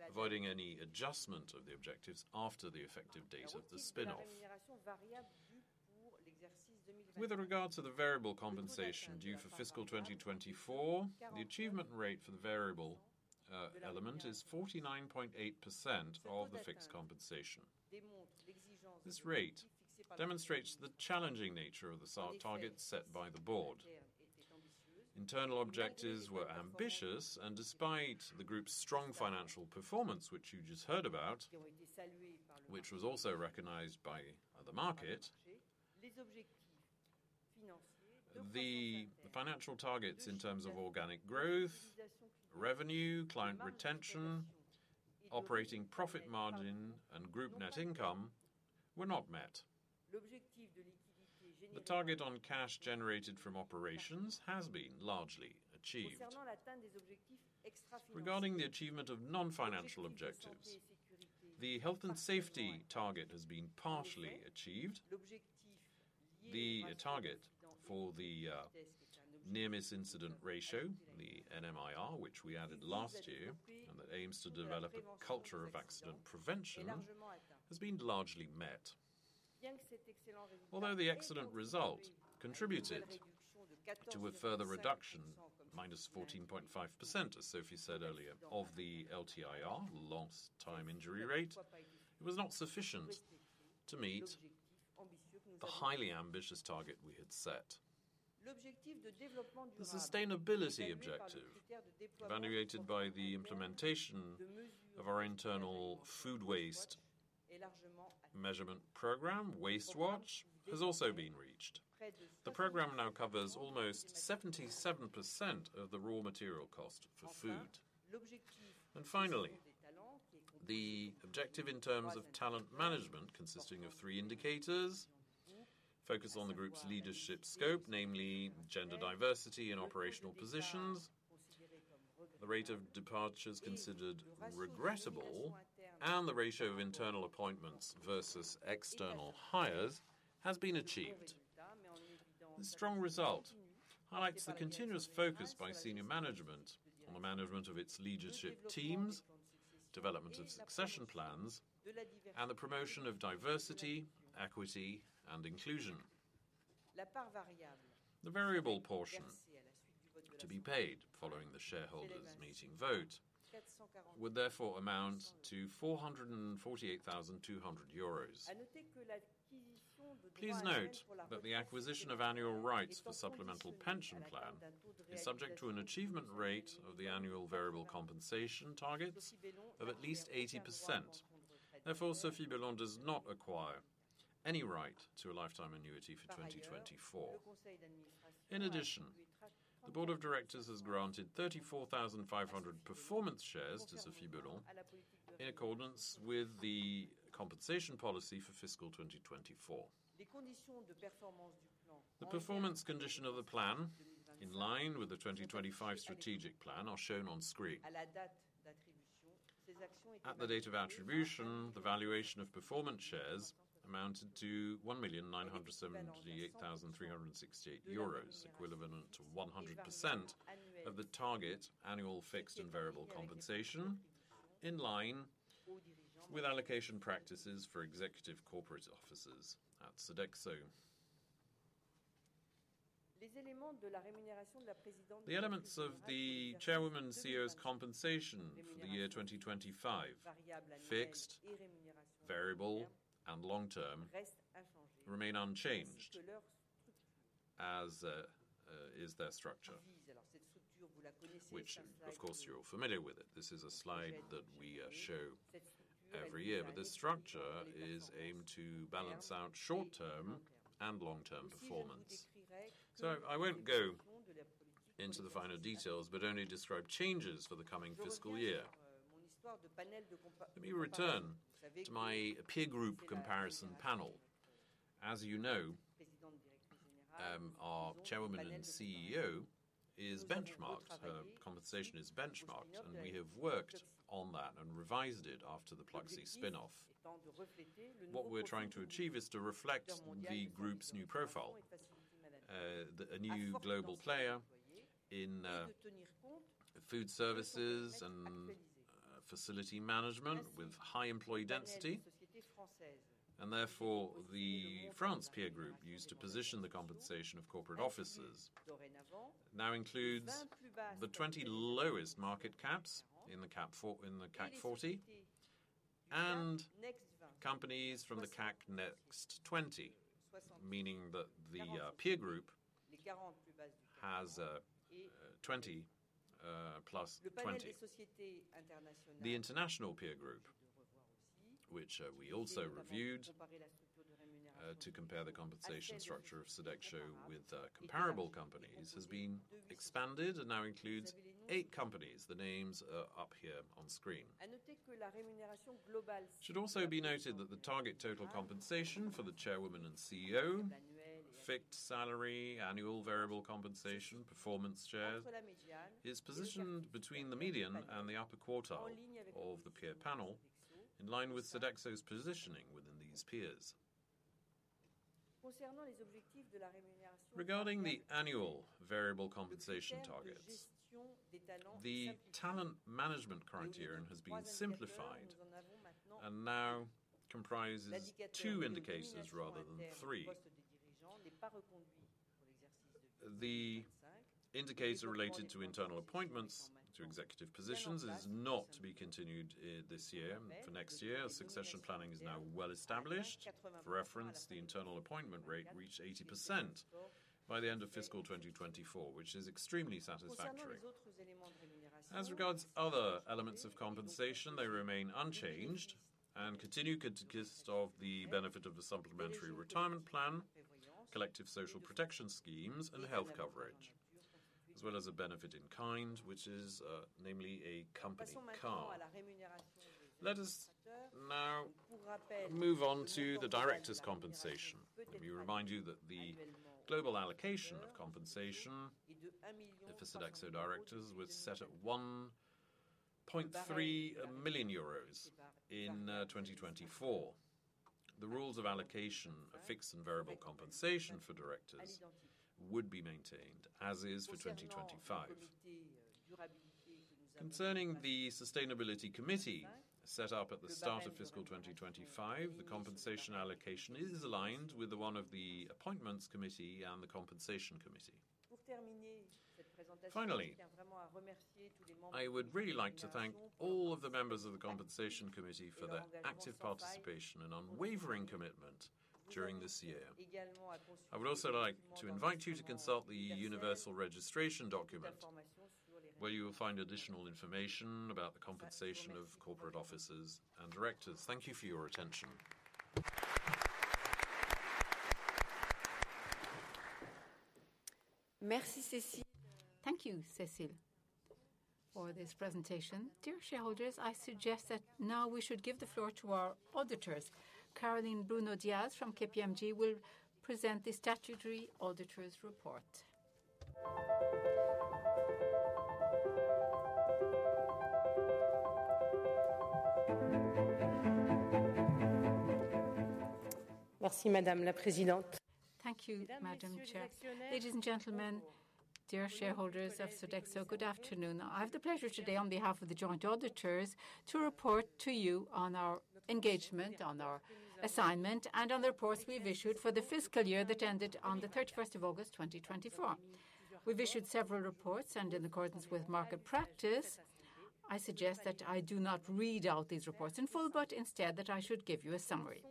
Speaker 4: avoiding any adjustment of the objectives after the effective date of the spin-off. With regard to the variable compensation due for fiscal 2024, the achievement rate for the variable element is 49.8% of the fixed compensation. This rate demonstrates the challenging nature of the targets set by the board. Internal objectives were ambitious, and despite the group's strong financial performance, which you just heard about, which was also recognized by the market, the financial targets in terms of organic growth, revenue, client retention, operating profit margin, and group net income were not met. The target on cash generated from operations has been largely achieved. Regarding the achievement of non-financial objectives, the health and safety target has been partially achieved. The target for the near-miss incident ratio, the NMIR, which we added last year and that aims to develop a culture of accident prevention, has been largely met. Although the accident result contributed to a further reduction, -14.5%, as Sophie said earlier, of the LTIR, the lost time injury rate, it was not sufficient to meet the highly ambitious target we had set. The sustainability objective evaluated by the implementation of our internal food waste measurement program, WasteWatch, has also been reached. The program now covers almost 77% of the raw material cost for food. And finally, the objective in terms of talent management, consisting of three indicators, focused on the group's leadership scope, namely gender diversity in operational positions, the rate of departures considered regrettable, and the ratio of internal appointments versus external hires has been achieved. The strong result highlights the continuous focus by senior management on the management of its leadership teams, development of succession plans, and the promotion of diversity, equity, and inclusion. The variable portion to be paid following the shareholders' meeting vote would therefore amount to 448,200 euros. Please note that the acquisition of annual rights for supplemental pension plan is subject to an achievement rate of the annual variable compensation target of at least 80%. Therefore, Sophie Bellon does not acquire any right to a lifetime annuity for 2024. In addition, the board of directors has granted 34,500 performance shares to Sophie Bellon in accordance with the compensation policy for fiscal 2024. The performance condition of the plan, in line with the 2025 strategic plan, are shown on screen. At the date of attribution, the valuation of performance shares amounted to 1,978,368 euros, equivalent to 100% of the target annual fixed and variable compensation, in line with allocation practices for executive corporate officers at Sodexo. The elements of the Chairwoman and CEO's compensation for the year 2025, fixed, variable, and long-term, remain unchanged as is their structure. Which, of course, you're familiar with. This is a slide that we show every year, but this structure is aimed to balance out short-term and long-term performance. So I won't go into the final details, but only describe changes for the coming fiscal year. Let me return to my peer group comparison panel. As you know, our Chairwoman and CEO is benchmarked. Her compensation is benchmarked, and we have worked on that and revised it after the Pluxee spin-off. What we're trying to achieve is to reflect the group's new profile, a new global player in food services and facility management with high employee density and therefore, the France peer group used to position the compensation of corporate officers now includes the 20 lowest market caps in the CAC 40 and companies from the CAC Next 20, meaning that the peer group has 20 plus 20. The international peer group, which we also reviewed to compare the compensation structure of Sodexo with comparable companies, has been expanded and now includes eight companies. The names are up here on screen. It should also be noted that the target total compensation for the chairwoman and CEO, fixed salary, annual variable compensation, performance shares, is positioned between the median and the upper quartile of the peer panel, in line with Sodexo's positioning within these peers. Regarding the annual variable compensation targets, the talent management criterion has been simplified and now comprises two indicators rather than three. The indicator related to internal appointments to executive positions is not to be continued this year. For next year, succession planning is now well established. For reference, the internal appointment rate reached 80% by the end of fiscal 2024, which is extremely satisfactory. As regards other elements of compensation, they remain unchanged and continue consisting of the benefit of the supplementary retirement plan, collective social protection schemes, and health coverage, as well as a benefit in kind, which is namely a company car. Let us now move on to the directors' compensation. Let me remind you that the global allocation of compensation for Sodexo directors was set at 1.3 million euros in 2024. The rules of allocation of fixed and variable compensation for directors would be maintained as is for 2025. Concerning the sustainability committee set up at the start of fiscal 2025, the compensation allocation is aligned with the one of the appointments committee and the compensation committee. Finally, I would really like to thank all of the members of the compensation committee for their active participation and unwavering commitment during this year. I would also like to invite you to consult the Universal Registration Document, where you will find additional information about the compensation of corporate officers and directors. Thank you for your attention.
Speaker 1: Thank you, Cécile, for this presentation. Dear shareholders, I suggest that now we should give the floor to our auditors. Caroline Bruno-Diaz from KPMG will present the statutory auditor's report.
Speaker 5: Merci, Madame la Présidente. Thank you, Madam Chair. Ladies and gentlemen, dear shareholders of Sodexo, Good afternoon. I have the pleasure today, on behalf of the joint auditors, to report to you on our engagement, on our assignment, and on the reports we've issued for the fiscal year that ended on the 31st of August 2024. We've issued several reports, and in accordance with market practice, I suggest that I do not read out these reports in full, but instead that I should give you a summary.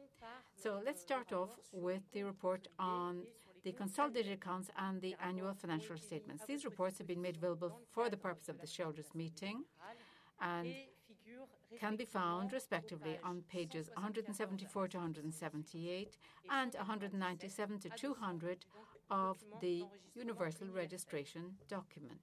Speaker 5: So let's start off with the report on the consolidated accounts and the annual financial statements. These reports have been made available for the purpose of the shareholders' meeting and can be found respectively on pages 174-178 and 197-200 of the Universal Registration Document.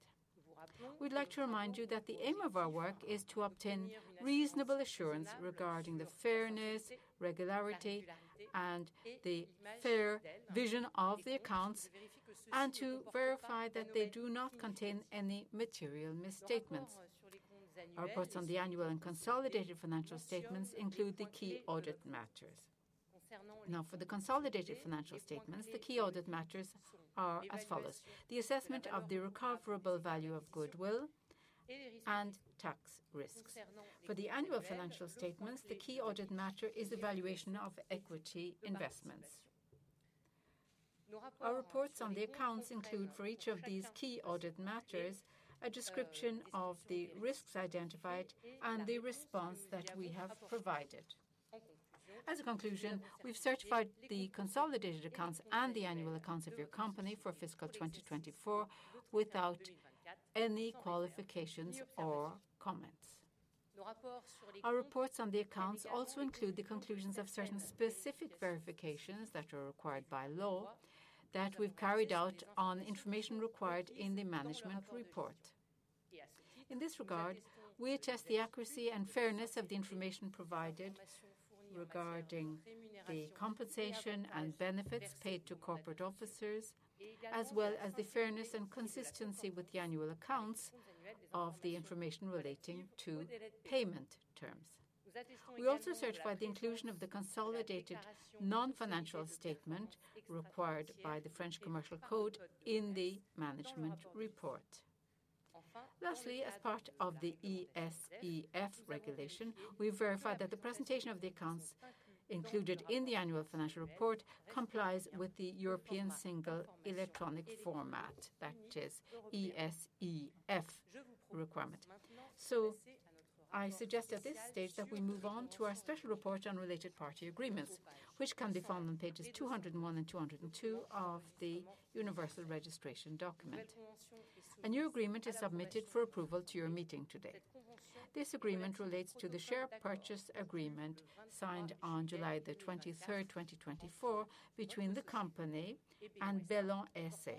Speaker 5: We'd like to remind you that the aim of our work is to obtain reasonable assurance regarding the fairness, regularity, and true and fair view of the accounts, and to verify that they do not contain any material misstatements. Our reports on the annual and consolidated financial statements include the key audit matters. Now, for the consolidated financial statements, the key audit matters are as follows: the assessment of the recoverable value of goodwill and tax risks. For the annual financial statements, the key audit matter is the valuation of equity investments. Our reports on the accounts include, for each of these key audit matters, a description of the risks identified and the response that we have provided. As a conclusion, we've certified the consolidated accounts and the annual accounts of your company for fiscal 2024 without any qualifications or comments. Our reports on the accounts also include the conclusions of certain specific verifications that are required by law that we've carried out on information required in the management report. In this regard, we attest the accuracy and fairness of the information provided regarding the compensation and benefits paid to corporate officers, as well as the fairness and consistency with the annual accounts of the information relating to payment terms. We also certify the inclusion of the consolidated non-financial statement required by the French Commercial Code in the management report. Lastly, as part of the ESEF regulation, we verify that the presentation of the accounts included in the annual financial report complies with the European single electronic format, that is, ESEF requirement. So I suggest at this stage that we move on to our special report on related party agreements, which can be found on pages 201 and 202 of the Universal Registration Document. A new agreement is submitted for approval to your meeting today. This agreement relates to the share purchase agreement signed on July the 23rd, 2024, between the company and Bellon SA,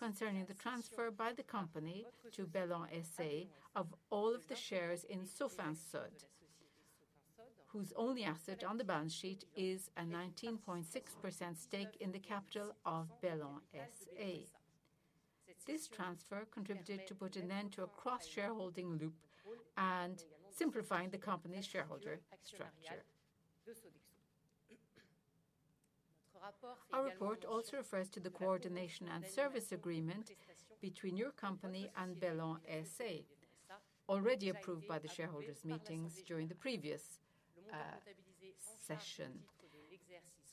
Speaker 5: concerning the transfer by the company to Bellon SA of all of the shares in Sofinsod, whose only asset on the balance sheet is a 19.6% stake in the capital of Bellon SA. This transfer contributed to putting an end to a cross-shareholding loop and simplifying the company's shareholder structure. Our report also refers to the coordination and service agreement between your company and Bellon SA, already approved by the shareholders' meetings during the previous session.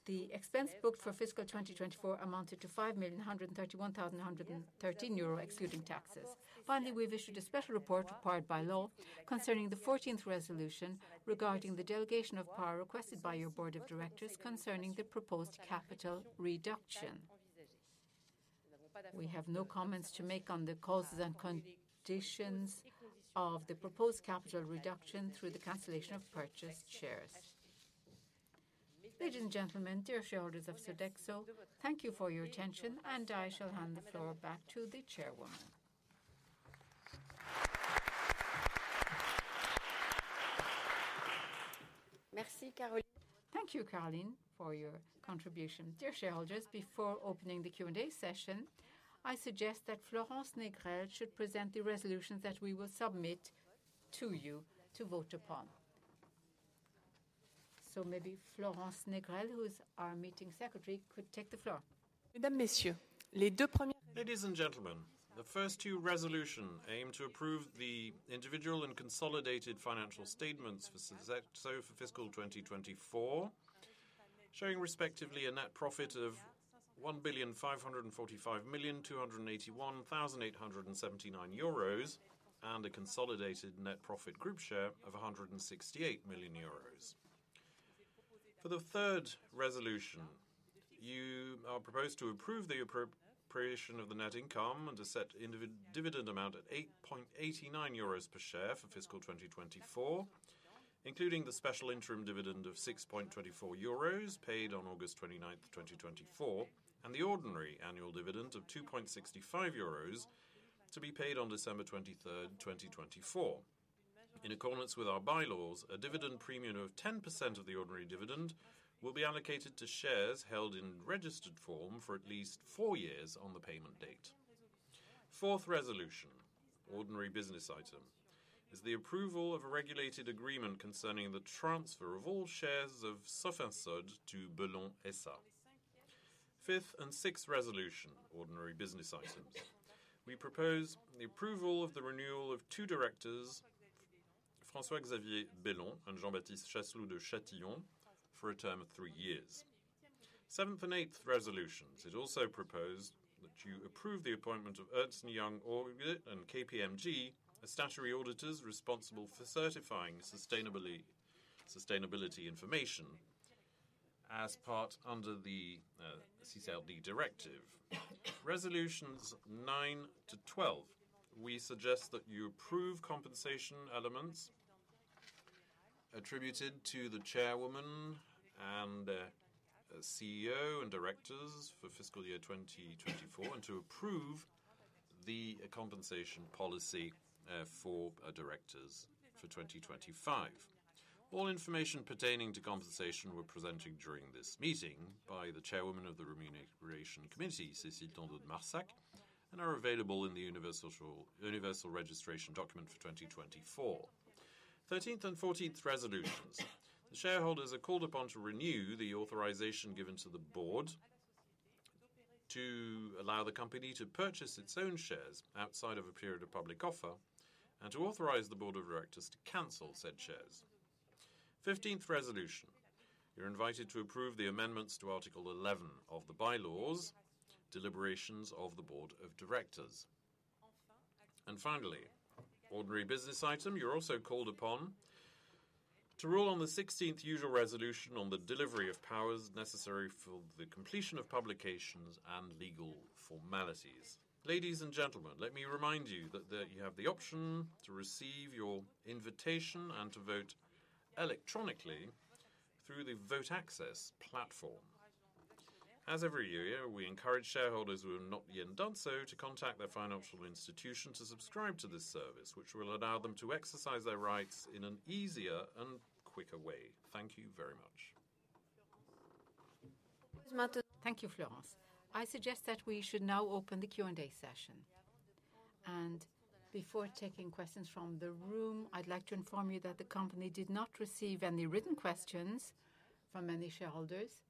Speaker 5: The expense booked for fiscal 2024 amounted to 5,131,113 euro, excluding taxes. Finally, we've issued a special report required by law concerning the 14th resolution regarding the delegation of power requested by your board of directors concerning the proposed capital reduction. We have no comments to make on the causes and conditions of the proposed capital reduction through the cancellation of purchased shares. Ladies and gentlemen, dear shareholders of Sodexo, thank you for your attention, and I shall hand the floor back to the chairwoman.
Speaker 1: Thank you, Caroline, for your contribution. Dear shareholders, before opening the Q&A session, I suggest that Florence Négrel should present the resolutions that we will submit to you to vote upon. So maybe Florence Négrel, who is our meeting secretary, could take the floor.
Speaker 6: Mesdames et Messieurs, les deux premières. Ladies and gentlemen, the first two resolutions aim to approve the individual and consolidated financial statements for Sodexo for fiscal 2024, showing respectively a net profit of 1,545,281,879 euros and a consolidated net profit group share of 168 million euros. For the third resolution, you are proposed to approve the appropriation of the net income and to set a dividend amount at 8.89 euros per share for fiscal 2024, including the special interim dividend of 6.24 euros paid on August 29th, 2024, and the ordinary annual dividend of 2.65 euros to be paid on December 23rd, 2024. In accordance with our bylaws, a dividend premium of 10% of the ordinary dividend will be allocated to shares held in registered form for at least four years on the payment date. Fourth resolution, ordinary business item, is the approval of a regulated agreement concerning the transfer of all shares of Sofinsod to Bellon SA. Fifth and sixth resolution, ordinary business items, we propose the approval of the renewal of two directors, François-Xavier Bellon and Jean-Baptiste Chasseloup de Châtillon, for a term of three years. Seventh and eighth resolutions, it also proposes that you approve the appointment of Ernst & Young Audit and KPMG, a statutory auditor responsible for certifying sustainability information as part of the CSRD directive. Resolutions 9 to 12, we suggest that you approve compensation elements attributed to the Chairwoman and CEO and directors for fiscal year 2024, and to approve the compensation policy for directors for 2025. All information pertaining to compensation were presented during this meeting by the Chairwoman of the Remuneration Committee, Cécile Tandeau de Marsac, and are available in the Universal Registration Document for 2024. 13th and 14th resolutions, the shareholders are called upon to renew the authorization given to the board to allow the company to purchase its own shares outside of a period of public offer and to authorize the board of directors to cancel said shares. 15th resolution, you're invited to approve the amendments to Article 11 of the bylaws, deliberations of the board of directors, and finally, ordinary business item, you're also called upon to rule on the 16th usual resolution on the delivery of powers necessary for the completion of publications and legal formalities. Ladies and gentlemen, let me remind you that you have the option to receive your invitation and to vote electronically through the Votaccess platform. As every year, we encourage shareholders who have not yet done so to contact their financial institution to subscribe to this service, which will allow them to exercise their rights in an easier and quicker way. Thank you very much.
Speaker 1: Thank you, Florence. I suggest that we should now open the Q&A session, and before taking questions from the room, I'd like to inform you that the company did not receive any written questions from any shareholders,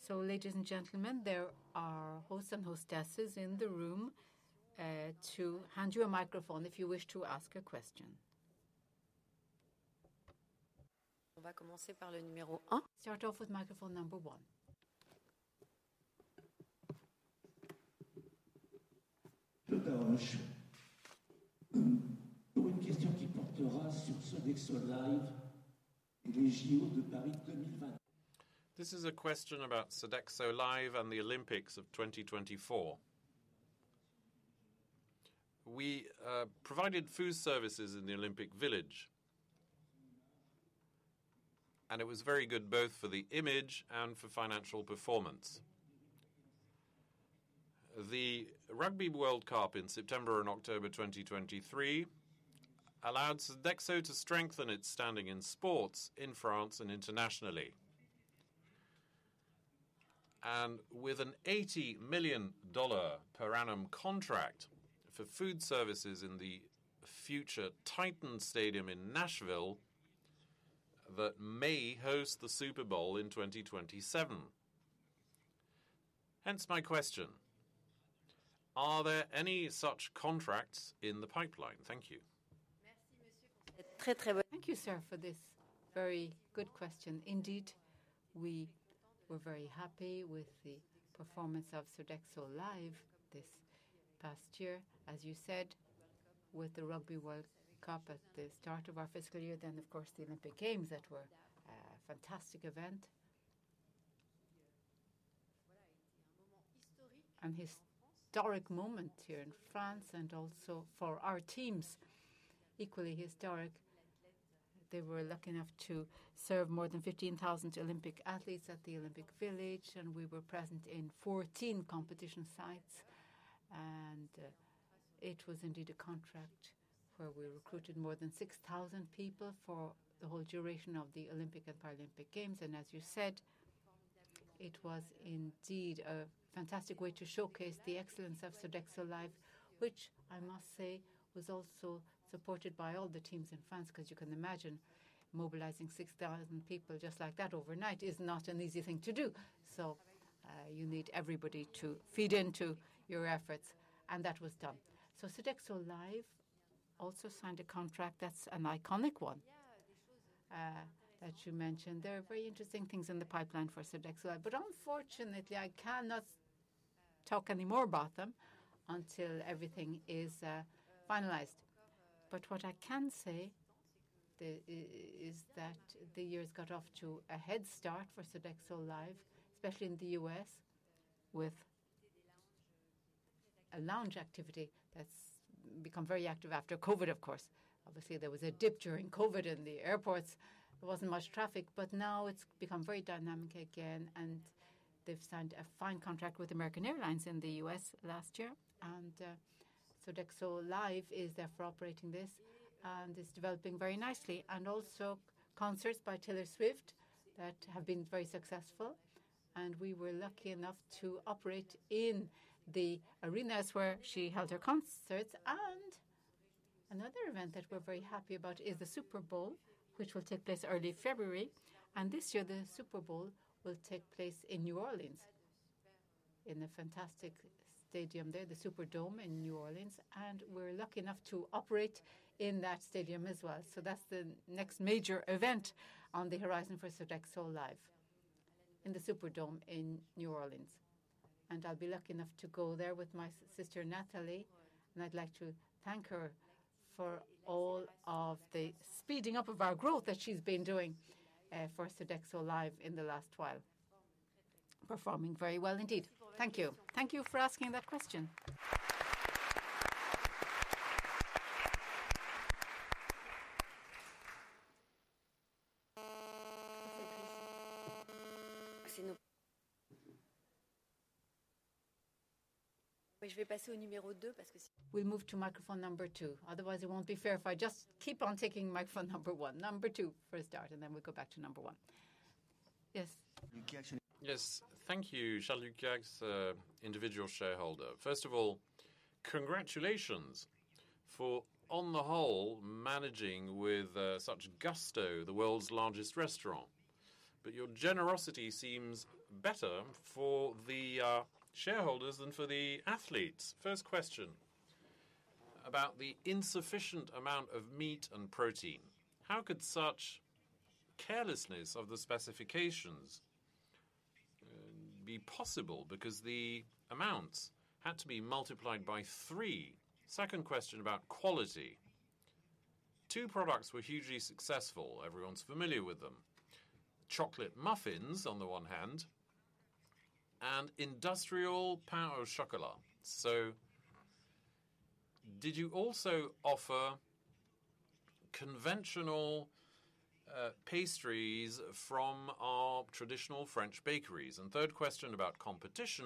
Speaker 1: so ladies and gentlemen, there are hosts and hostesses in the room to hand you a microphone if you wish to ask a question. On va commencer par le numéro un. Start off with microphone number one.
Speaker 7: Total en jeu. Pour une question qui portera sur Sodexo Live! et les JO de Paris.
Speaker 6: This is a question about Sodexo Live! and the Olympics of 2024. We provided food services in the Olympic Village, and it was very good both for the image and for financial performance. The Rugby World Cup in September and October 2023 allowed Sodexo to strengthen its standing in sports in France and internationally, and with an $80 million per annum contract for food services in the future Titans Stadium in Nashville that may host the Super Bowl in 2027. Hence my question, are there any such contracts in the pipeline? Thank you. Merci, Monsieur.
Speaker 1: Thank you, sir, for this very good question. Indeed, we were very happy with the performance Sodexo Live! this past year, as you said, with the Rugby World Cup at the start of our fiscal year, then, of course, the Olympic Games that were a fantastic event, and historic moment here in France and also for our teams, equally historic. They were lucky enough to serve more than 15,000 Olympic athletes at the Olympic Village, and we were present in 14 competition sites. And it was indeed a contract where we recruited more than 6,000 people for the whole duration of the Olympic and Paralympic Games. And as you said, it was indeed a fantastic way to showcase the excellence of Sodexo Live!, which I must say was also supported by all the teams in France, because you can imagine mobilizing 6,000 people just like that overnight is not an easy thing to do. So you need everybody to feed into your efforts. And that was done. So Sodexo Live! also signed a contract that's an iconic one that you mentioned. There are very interesting things in the pipeline for Sodexo Live!, but unfortunately, I cannot talk anymore about them until everything is finalized. What I can say is that the year has got off to a head start for Sodexo Live!, especially in the U.S., with a lounge activity that's become very active after COVID, of course. Obviously, there was a dip during COVID in the airports. There wasn't much traffic, but now it's become very dynamic again, and they've signed a fine contract with American Airlines in the U.S. last year. Sodexo Live! is there for operating this, and it's developing very nicely. Also concerts by Taylor Swift that have been very successful. We were lucky enough to operate in the arenas where she held her concerts. Another event that we're very happy about is the Super Bowl, which will take place early February. This year, the Super Bowl will take place in New Orleans, in the fantastic stadium there, the Superdome in New Orleans. We're lucky enough to operate in that stadium as well. That's the next major event on the horizon Sodexo Live! in the Superdome in New Orleans. I'll be lucky enough to go there with my sister, Nathalie, and I'd like to thank her for all of the speeding up of our growth that she's been doing Sodexo Live! in the last while. Performing very well indeed. Thank you. Thank you for asking that question. Je vais passer au numéro two, parce que we'll move to microphone number two. Otherwise, it won't be fair if I just keep on taking microphone number one, number two for a start, and then we'll go back to number one. Yes. Yes.
Speaker 6: Thank you, Charles Lucas, individual shareholder. First of all, congratulations for, on the whole, managing with such gusto the world's largest restaurant. But your generosity seems better for the shareholders than for the athletes. First question about the insufficient amount of meat and protein. How could such carelessness of the specifications be possible? Because the amounts had to be multiplied by three. Second question about quality. Two products were hugely successful. Everyone's familiar with them. Chocolate muffins on the one hand, and industrial pain au chocolat. So did you also offer conventional pastries from our traditional French bakeries? And third question about competition.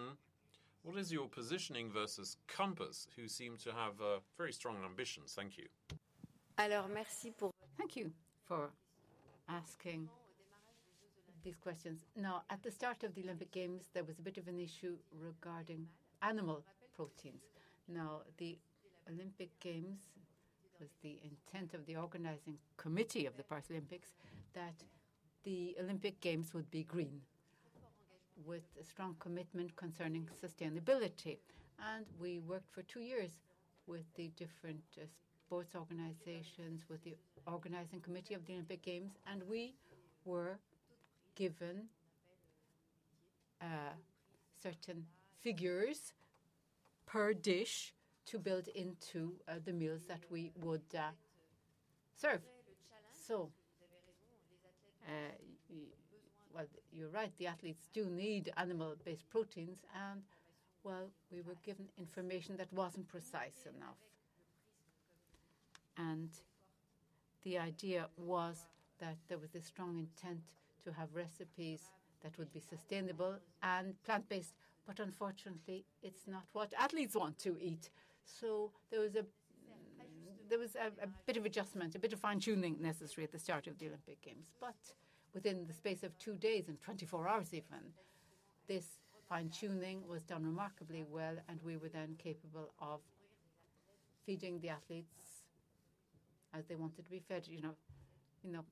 Speaker 6: What is your positioning versus Compass, who seem to have very strong ambitions? Thank you.
Speaker 1: Alors, merci pour. Thank you for asking these questions. Now, at the start of the Olympic Games, there was a bit of an issue regarding animal proteins. Now, the Olympic Games was the intent of the organizing committee of the Paralympics that the Olympic Games would be green, with a strong commitment concerning sustainability. We worked for two years with the different sports organizations, with the organizing committee of the Olympic Games, and we were given certain figures per dish to build into the meals that we would serve. Well, you're right, the athletes do need animal-based proteins. Well, we were given information that wasn't precise enough. The idea was that there was a strong intent to have recipes that would be sustainable and plant-based, but unfortunately, it's not what athletes want to eat. There was a bit of adjustment, a bit of fine-tuning necessary at the start of the Olympic Games. Within the space of two days and 24 hours even, this fine-tuning was done remarkably well, and we were then capable of feeding the athletes as they wanted to be fed. You know,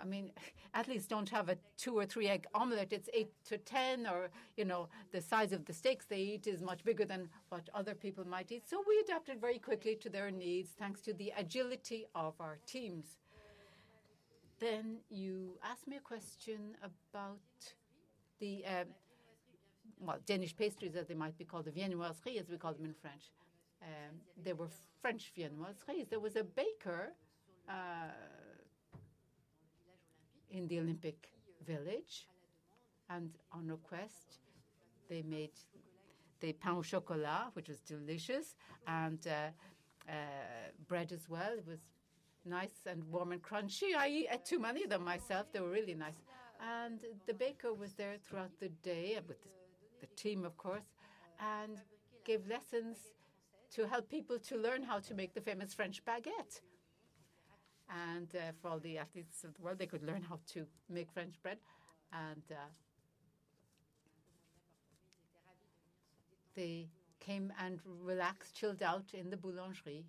Speaker 1: I mean, athletes don't have a two or three egg omelet. It's eight to ten, or, you know, the size of the steaks they eat is much bigger than what other people might eat. So we adapted very quickly to their needs, thanks to the agility of our teams. Then you asked me a question about the, well, Danish pastries, as they might be called, the viennoiserie, as we call them in French. There were French viennoiseries. There was a baker in the Olympic Village, and on request, they made the pain au chocolat, which was delicious, and bread as well. It was nice and warm and crunchy. I ate too many of them myself. They were really nice. The baker was there throughout the day with the team, of course, and gave lessons to help people to learn how to make the famous French baguette. For all the athletes of the world, they could learn how to make French bread. They came and relaxed, chilled out in the boulangerie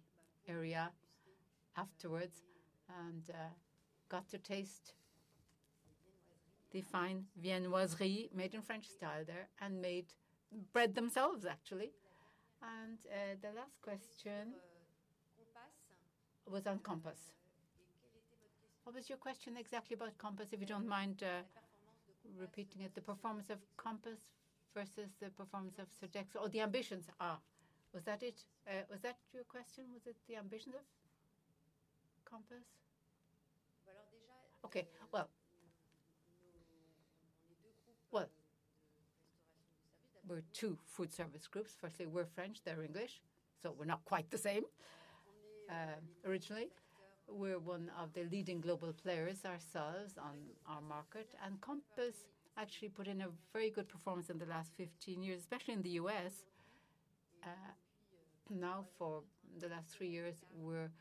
Speaker 1: area afterwards, and got to taste the fine Viennoiserie made in French style there and made bread themselves, actually. The last question was on Compass. What was your question exactly about Compass, if you don't mind repeating it? The performance of Compass versus the performance of Sodexo or the ambitions? Was that your question? Was it the ambitions of Compass? Okay. Well, we're two food service groups. Firstly, we're French. They're English. So we're not quite the same originally. We're one of the leading global players ourselves on our market. Compass actually put in a very good performance in the last 15 years, especially in the US. Now, for the last three years, we're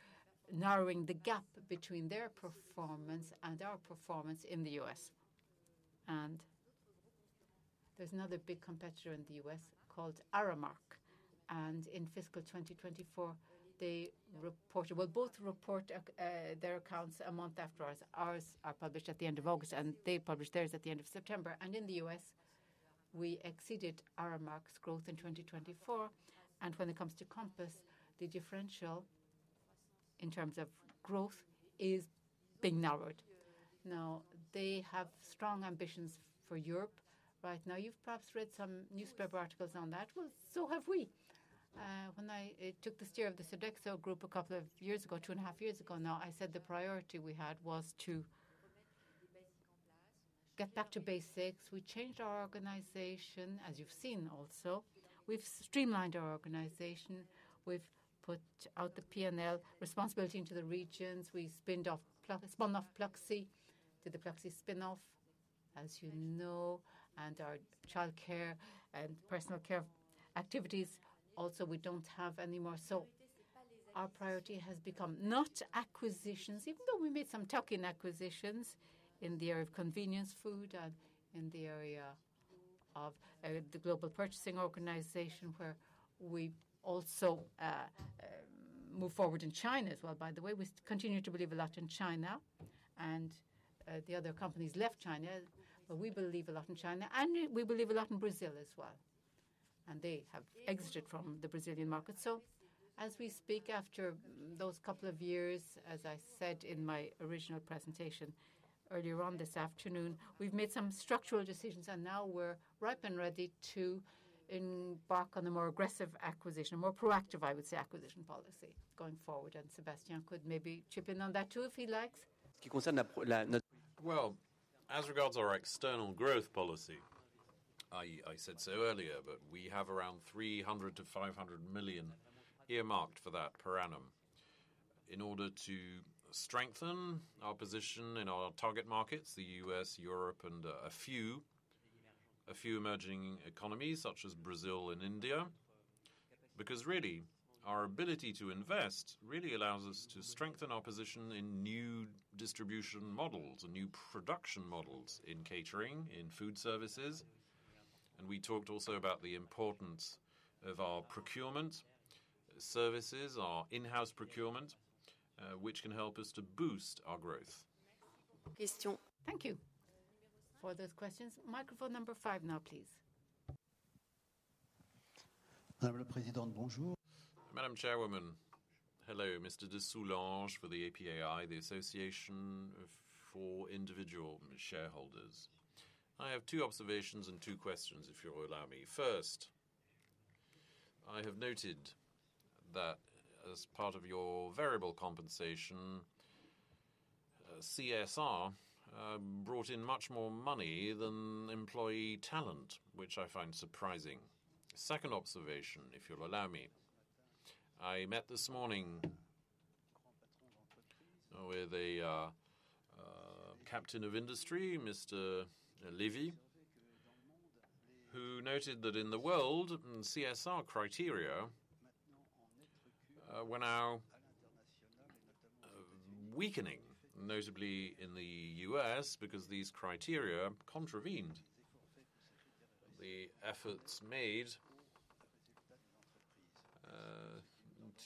Speaker 1: narrowing the gap between their performance and our performance in the U.S. And there's another big competitor in the U.S. called Aramark. And in fiscal 2024, they reported, well, both report their accounts a month after ours. Ours are published at the end of August, and they publish theirs at the end of September. And in the U.S., we exceeded Aramark's growth in 2024. And when it comes to Compass, the differential in terms of growth is being narrowed. Now, they have strong ambitions for Europe. Right now, you've perhaps read some newspaper articles on that. Well, so have we. When I took the steer of the Sodexo group a couple of years ago, two and a half years ago, now I said the priority we had was to get back to basics. We changed our organization, as you've seen also. We've streamlined our organization. We've put out the P&L responsibility into the regions. We spun off Pluxee, did the Pluxee spin-off, as you know, and our childcare and personal care activities also, we don't have anymore. So our priority has become not acquisitions, even though we made some token acquisitions in the area of convenience food and in the area of the global purchasing organization, where we also move forward in China as well. By the way, we continue to believe a lot in China, and the other companies left China, but we believe a lot in China, and we believe a lot in Brazil as well, and they have exited from the Brazilian market. So, as we speak, after those couple of years, as I said in my original presentation earlier on this afternoon, we've made some structural decisions, and now we're ripe and ready to embark on a more aggressive acquisition, a more proactive, I would say, acquisition policy going forward. And Sébastien could maybe chip in on that too, if he likes.
Speaker 3: Well, as regards our external growth policy, I said so earlier, but we have around 300 million-500 million earmarked for that per annum in order to strengthen our position in our target markets, the U.S., Europe, and a few emerging economies such as Brazil and India. Because really, our ability to invest really allows us to strengthen our position in new distribution models, new production models in catering, in food services. And we talked also about the importance of our procurement services, our in-house procurement, which can help us to boost our growth. Questions. Thank you for those questions. Microphone number five now, please. Madame la Présidente, bonjour. Madame Chairwoman, hello. Mr. de Soulanges for the APAI, the Association for Individual Shareholders. I have two observations and two questions, if you'll allow me. First, I have noted that as part of your variable compensation, CSR brought in much more money than employee talent, which I find surprising. Second observation, if you'll allow me. I met this morning with a Captain of Industry, Mr. Lévy, who noted that in the world, CSR criteria were now weakening, notably in the U.S., because these criteria contravened the efforts made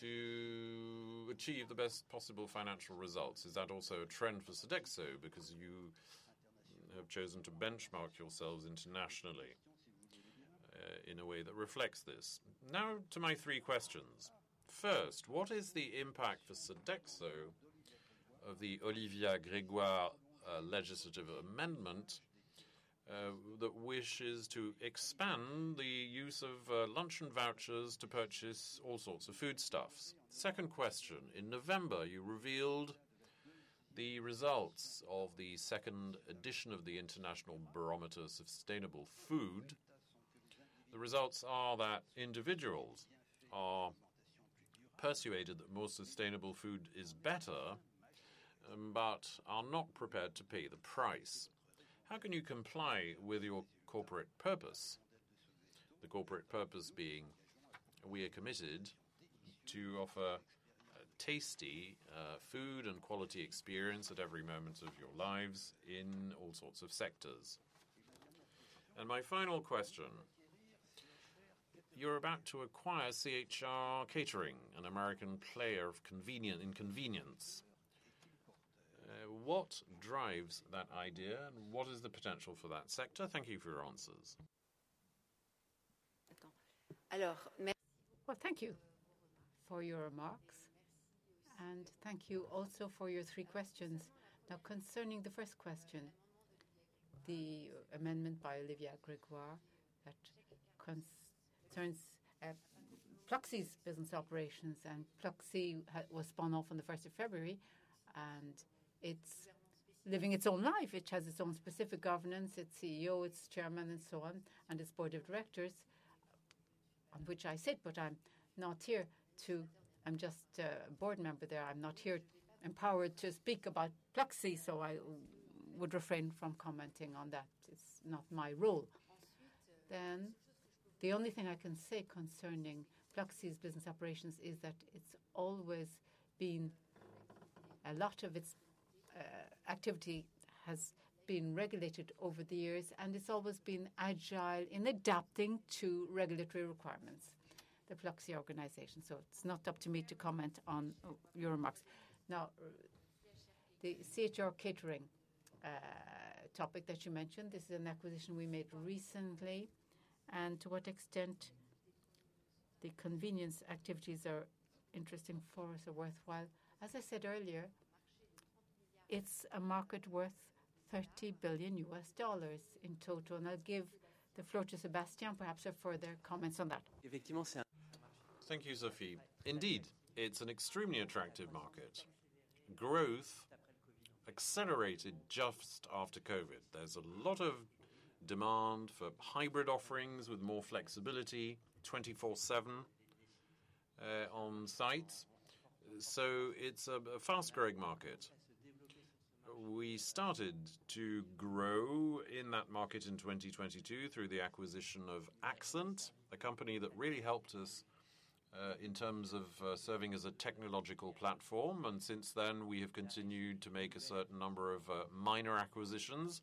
Speaker 3: to achieve the best possible financial results. Is that also a trend for Sodexo? Because you have chosen to benchmark yourselves internationally in a way that reflects this. Now, to my three questions. First, what is the impact for Sodexo of the Olivia Grégoire legislative amendment that wishes to expand the use of luncheon vouchers to purchase all sorts of foodstuffs? Second question. In November, you revealed the results of the second edition of the Sustainable Food Barometer. The results are that individuals are persuaded that more sustainable food is better but are not prepared to pay the price. How can you comply with your corporate purpose? The corporate purpose being we are committed to offer tasty food and quality experience at every moment of your lives in all sorts of sectors. And my final question. You're about to acquire CRH Catering, an American player in convenience. What drives that idea, and what is the potential for that sector?
Speaker 1: Thank you for your answers. Alors, merci beaucoup. Thank you for your remarks, and thank you also for your three questions. Now, concerning the first question, the amendment by Olivia Grégoire that concerns Pluxee's business operations, and Pluxee was spun off on the 1st of February, and it's living its own life. It has its own specific governance, its CEO, its chairman, and so on, and its board of directors, on which I sit, but I'm not here to. I'm just a board member there. I'm not here empowered to speak about Pluxee, so I would refrain from commenting on that. It's not my role. Then, the only thing I can say concerning Pluxee's business operations is that it's always been. A lot of its activity has been regulated over the years, and it's always been agile in adapting to regulatory requirements, the Pluxee organization. It's not up to me to comment on your remarks. Now, the CRH Catering topic that you mentioned, this is an acquisition we made recently. And to what extent the convenience activities are interesting for us or worthwhile? As I said earlier, it's a market worth $30 billion in total. And I'll give the floor to Sébastien, perhaps for further comments on that. Effectivement.
Speaker 3: Thank you, Sophie. Indeed, it's an extremely attractive market. Growth accelerated just after COVID. There's a lot of demand for hybrid offerings with more flexibility, 24/7 on sites. So it's a fast-growing market. We started to grow in that market in 2022 through the acquisition of Accent, a company that really helped us in terms of serving as a technological platform. And since then, we have continued to make a certain number of minor acquisitions.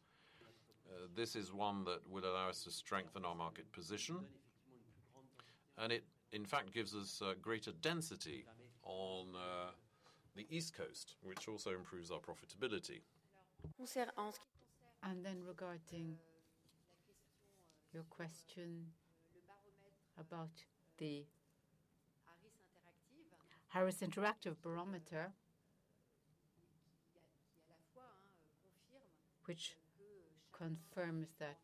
Speaker 3: This is one that will allow us to strengthen our market position. And it, in fact, gives us greater density on the East Coast, which also improves our profitability.
Speaker 1: And then regarding your question about the Harris Interactive Barometer, which confirms that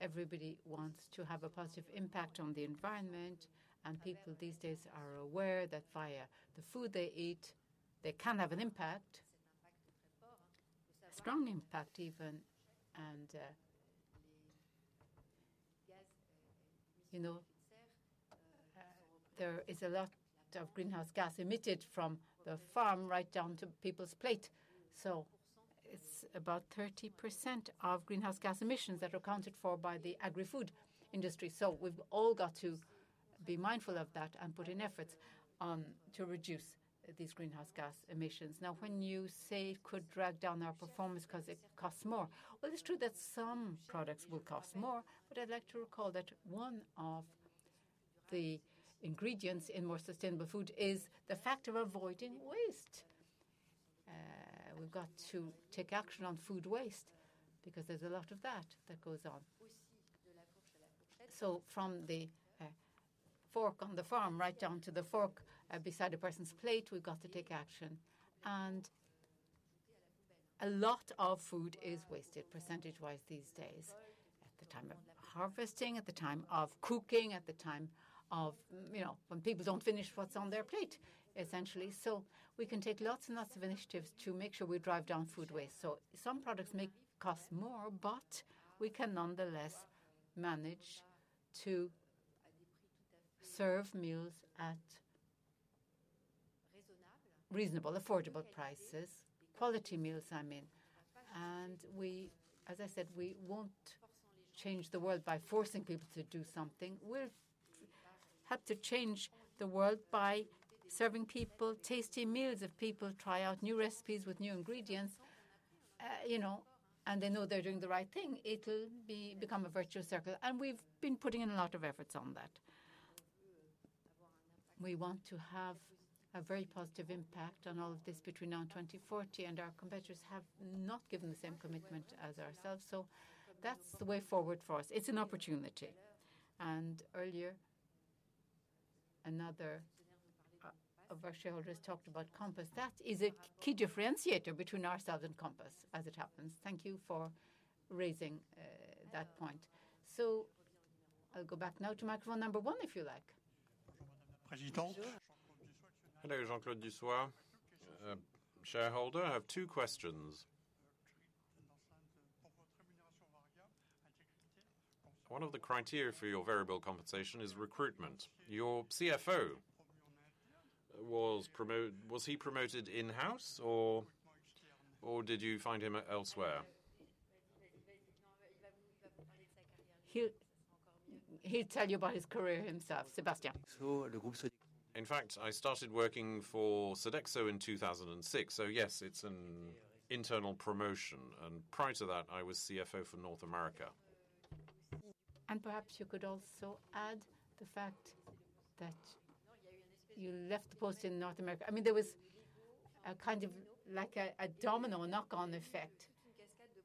Speaker 1: everybody wants to have a positive impact on the environment, and people these days are aware that via the food they eat, they can have an impact, a strong impact even. And there is a lot of greenhouse gas emitted from the farm right down to people's plate. So it's about 30% of greenhouse gas emissions that are accounted for by the agri-food industry. So we've all got to be mindful of that and put in efforts to reduce these greenhouse gas emissions. Now, when you say it could drag down our performance because it costs more, well, it's true that some products will cost more, but I'd like to recall that one of the ingredients in more sustainable food is the fact of avoiding waste. We've got to take action on food waste because there's a lot of that that goes on, so from the fork on the farm right down to the fork beside a person's plate, we've got to take action, and a lot of food is wasted percentage-wise these days at the time of harvesting, at the time of cooking, at the time of when people don't finish what's on their plate, essentially, so we can take lots and lots of initiatives to make sure we drive down food waste. So some products may cost more, but we can nonetheless manage to serve meals at reasonable, affordable prices, quality meals, I mean. And we, as I said, we won't change the world by forcing people to do something. We'll have to change the world by serving people tasty meals if people try out new recipes with new ingredients, you know, and they know they're doing the right thing. It'll become a virtuous circle. And we've been putting in a lot of efforts on that. We want to have a very positive impact on all of this between now and 2040, and our competitors have not given the same commitment as ourselves. So that's the way forward for us. It's an opportunity. And earlier, another of our shareholders talked about Compass. That is a key differentiator between ourselves and Compass, as it happens. Thank you for raising that point. So I'll go back now to microphone number 1, if you like. Président.
Speaker 3: Hello, Jean-Claude Desoye, shareholder. I have two questions. One of the criteria for your variable compensation is recruitment. Your CFO, was he promoted in-house or did you find him elsewhere? In fact, I started working for Sodexo in 2006. So yes, it's an internal promotion. And prior to that, I was CFO for North America.
Speaker 1: And perhaps you could also add the fact that you left the post in North America. I mean, there was a kind of like a domino knock-on effect.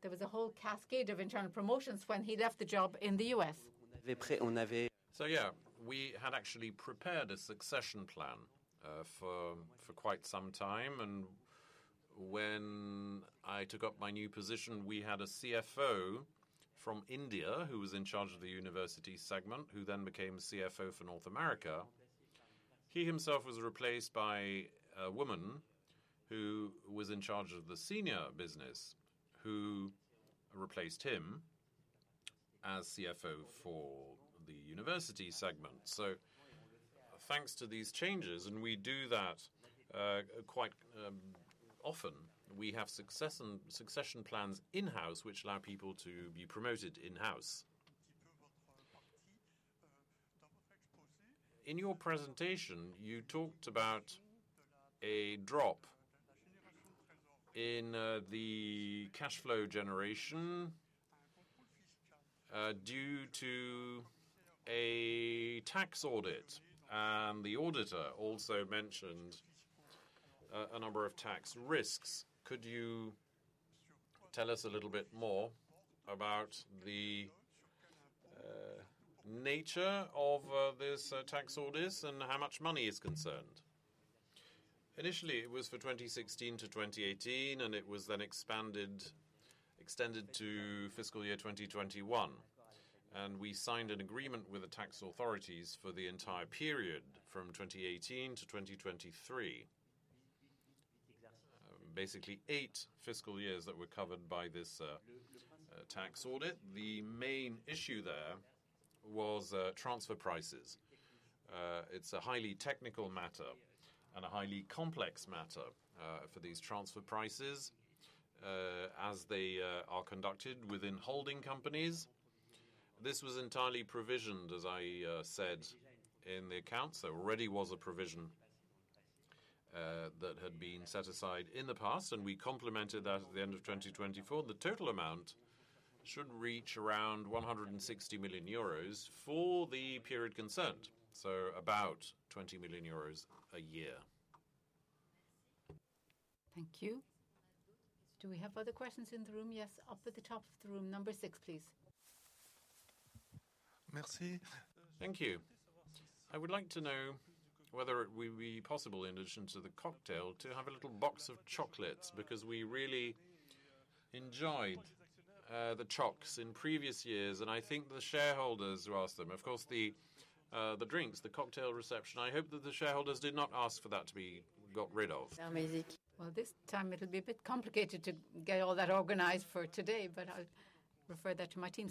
Speaker 1: There was a whole cascade of internal promotions when he left the job in the US.
Speaker 3: So yeah, we had actually prepared a succession plan for quite some time. When I took up my new position, we had a CFO from India who was in charge of the university segment, who then became CFO for North America. He himself was replaced by a woman who was in charge of the senior business, who replaced him as CFO for the university segment. Thanks to these changes, and we do that quite often, we have succession plans in-house which allow people to be promoted in-house. In your presentation, you talked about a drop in the cash flow generation due to a tax audit, and the auditor also mentioned a number of tax risks. Could you tell us a little bit more about the nature of these tax audits and how much money is concerned? Initially, it was for 2016 to 2018, and it was then extended to fiscal year 2021. We signed an agreement with the tax authorities for the entire period from 2018 to 2023, basically eight fiscal years that were covered by this tax audit. The main issue there was transfer prices. It's a highly technical matter and a highly complex matter for these transfer prices as they are conducted within holding companies. This was entirely provisioned, as I said, in the accounts. There already was a provision that had been set aside in the past, and we complemented that at the end of 2024. The total amount should reach around 160 million euros for the period concerned, so about 20 million euros a year.
Speaker 1: Thank you. Do we have other questions in the room? Yes, up at the top of the room, number 6, please. Merci.
Speaker 3: Thank you. I would like to know whether it would be possible, in addition to the cocktail, to have a little box of chocolates because we really enjoyed the chocs in previous years. And I think the shareholders who asked them, of course, the drinks, the cocktail reception. I hope that the shareholders did not ask for that to be got rid of. C'est un.
Speaker 1: Well, this time it'll be a bit complicated to get all that organized for today, but I'll refer that to my team.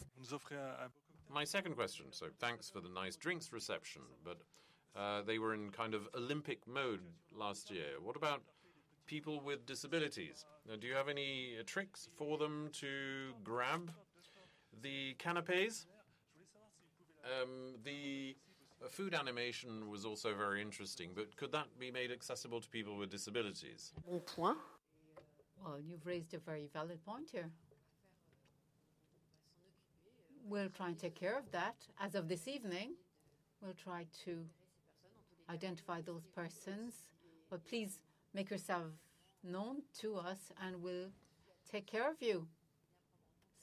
Speaker 3: My second question. So thanks for the nice drinks reception, but they were in kind of Olympic mode last year. What about people with disabilities? Do you have any tricks for them to grab the canapés? The food animation was also very interesting, but could that be made accessible to people with disabilities?
Speaker 1: Bon point. Well, you've raised a very valid point here. We'll try and take care of that as of this evening. We'll try to identify those persons. But please make yourself known to us, and we'll take care of you.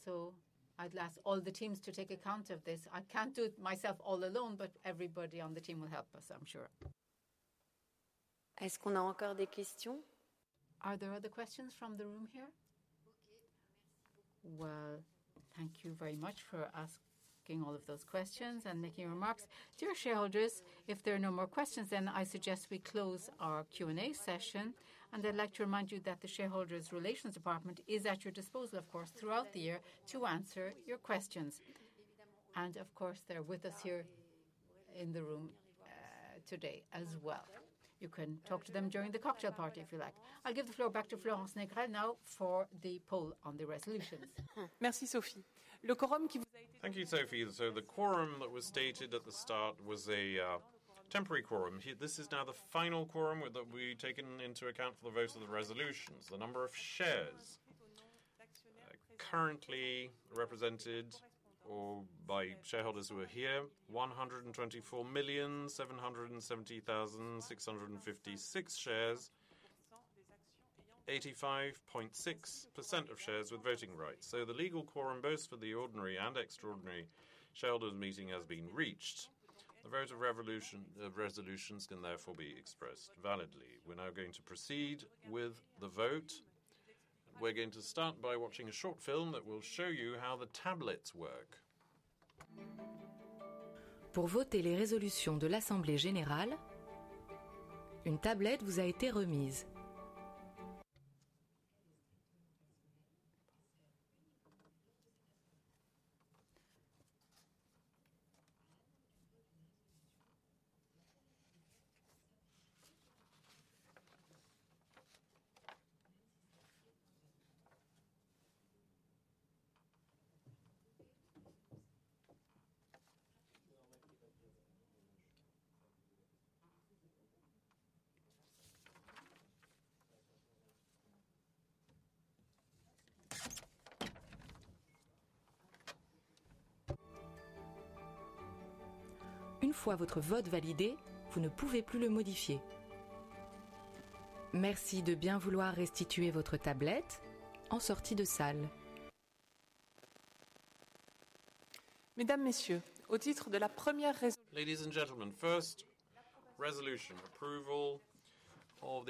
Speaker 1: So I'd like all the teams to take account of this. I can't do it myself all alone, but everybody on the team will help us, I'm sure. Est-ce qu'on a encore des questions? Are there other questions from the room here? Well, thank you very much for asking all of those questions and making remarks. Dear shareholders, if there are no more questions, then I suggest we close our Q&A session. And I'd like to remind you that the shareholders' relations department is at your disposal, of course, throughout the year to answer your questions. And of course, they're with us here in the room today as well. You can talk to them during the cocktail party if you like. I'll give the floor back to Florence Négrel now for the poll on the resolutions.
Speaker 3: Merci, Sophie. Thank you, Sophie. So the quorum that was stated at the start was a temporary quorum. This is now the final quorum that we've taken into account for the votes of the resolutions. The number of shares currently represented by shareholders who are here: 124,770,656 shares, 85.6% of shares with voting rights. So the legal quorum both for the ordinary and extraordinary shareholders' meeting has been reached. The vote of resolutions can therefore be expressed validly. We're now going to proceed with the vote. We're going to start by watching a short film that will show you how the tablets work.
Speaker 7: Pour voter les résolutions de l'Assemblée générale, une tablette vous a été remise.
Speaker 1: Une fois votre vote validé, vous ne pouvez plus le modifier. Merci de bien vouloir restituer votre tablette en sortie de salle.
Speaker 3: Mesdames, Messieurs, au titre de la première. Ladies and gentlemen, first resolution, approval of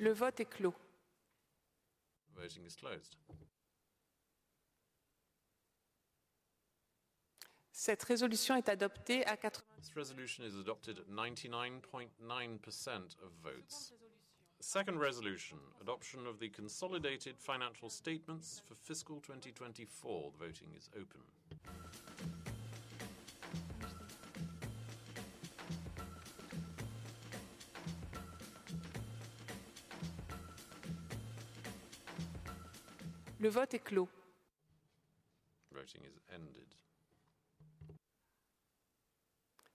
Speaker 3: the accounts for the fiscal year ending August 31st, 2024. You may now vote. Le vote est clos. Voting is closed.
Speaker 7: Cette résolution est adoptée à
Speaker 3: 99.9% of votes. Second resolution, adoption of the consolidated financial statements for fiscal 2024. The voting is open. Le vote est clos. Voting is closed.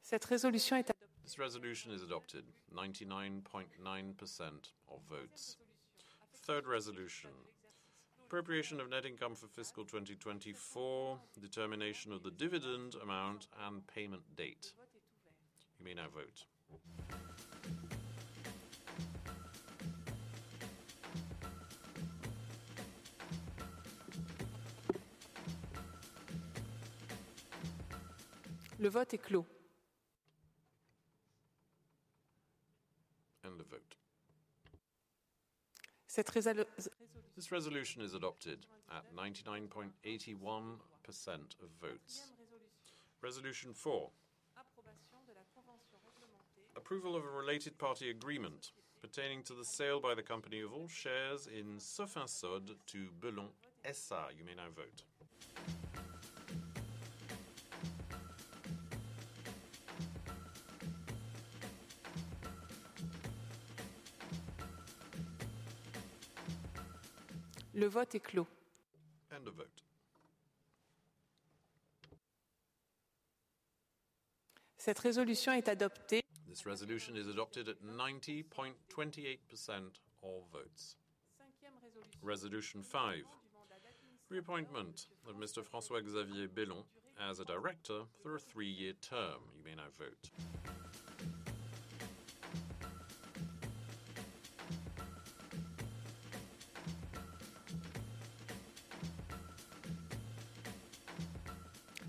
Speaker 3: Cette résolution est adoptée. This resolution is adopted, 99.9% of votes. Third resolution, appropriation of net income for fiscal 2024, determination of the dividend amount and payment date. You may now vote. Le vote est clos. And the vote. Cette résolution est adoptée à 99.81% of votes. Resolution four. Approval of a related party agreement pertaining to the sale by the company of all shares in Sofinsod to Bellon SA. You may now vote. Le vote est clos. And the vote.
Speaker 7: Cette résolution est adoptée.
Speaker 3: This resolution is adopted at 90.28% of votes. Resolution five, reappointment of Mr. François-Xavier Bellon as a director for a three-year term. You may now vote.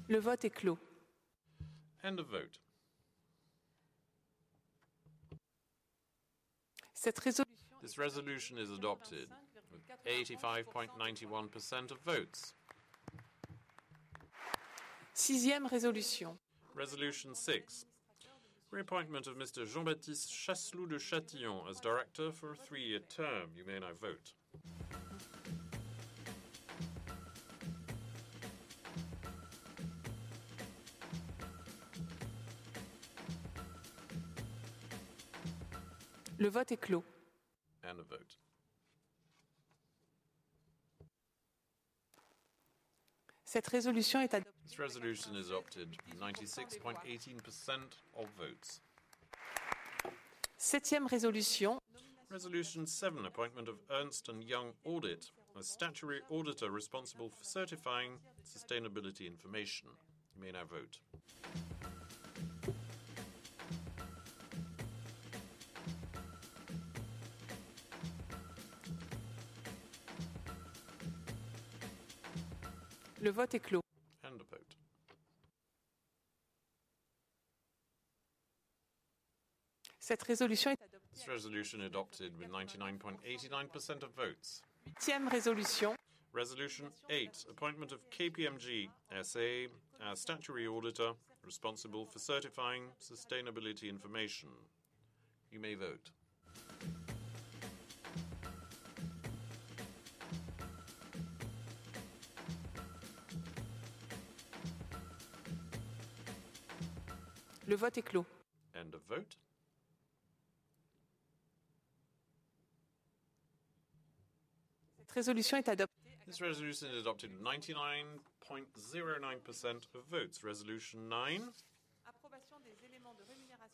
Speaker 3: Le vote est clos. And the vote.
Speaker 7: Cette
Speaker 3: résolution est adoptée at 85.91% of votes.
Speaker 7: Sixième résolution.
Speaker 3: Resolution six, reappointment of Mr. Jean-Baptiste Chasseloup de Châtillon as director for a three-year term. You may now vote.
Speaker 7: Le vote est clos.
Speaker 3: And the vote.
Speaker 7: Cette résolution est adoptée.
Speaker 3: This resolution is adopted at 96.18% of votes.
Speaker 7: Septième résolution.
Speaker 3: Resolution seven, appointment of Ernst & Young Audit, a statutory auditor responsible for certifying sustainability information. You may now vote. Le vote est clos. And the vote.
Speaker 7: Cette résolution est adoptée.
Speaker 3: This resolution is adopted with 99.89% of votes.
Speaker 7: Huitième résolution.
Speaker 3: Resolution eight, appointment of KPMG S.A., a statutory auditor responsible for certifying sustainability information. You may vote.
Speaker 7: Le vote est clos.
Speaker 3: And the vote.
Speaker 7: Cette résolution est adoptée.
Speaker 3: This resolution is adopted at 99.09% of votes. Resolution nine.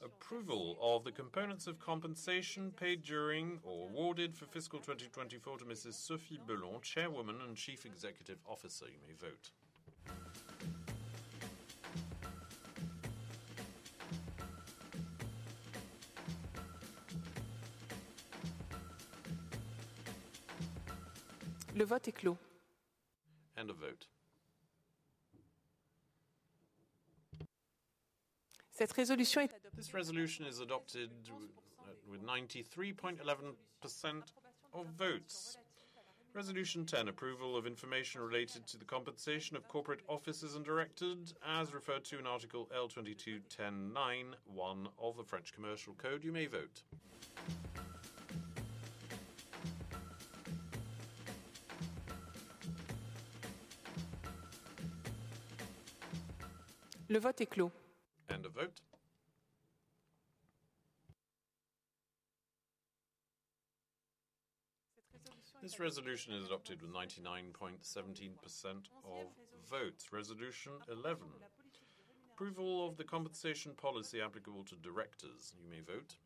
Speaker 3: Approval of the components of compensation paid during or awarded for fiscal 2024 to Mrs. Sophie Bellon, Chairwoman and Chief Executive Officer. You may vote.
Speaker 7: Le vote est clos.
Speaker 3: And the vote.
Speaker 7: Cette résolution est adoptée.
Speaker 3: This resolution is adopted with 93.11% of votes. Resolution ten, approval of information related to the compensation of corporate officers and directors, as referred to in article L221091 of the French Commercial Code. You may vote.
Speaker 7: Le vote est clos. And the vote. This resolution is adopted with 99.17% of votes. Resolution eleven, approval of the compensation policy applicable to directors. You may vote.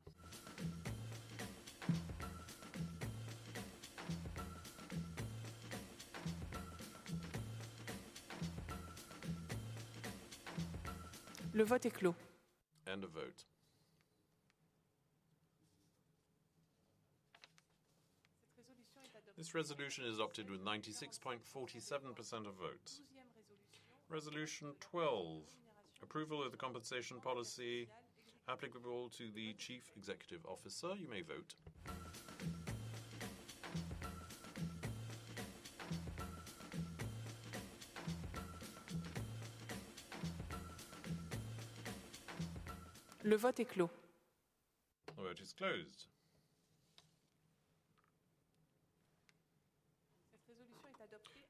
Speaker 7: Le vote est clos.
Speaker 3: And the vote. This resolution is adopted with 96.47% of votes. Resolution twelve, approval of the compensation policy applicable to the Chief Executive Officer. You may vote.
Speaker 7: Le vote est clos.
Speaker 1: The vote is closed.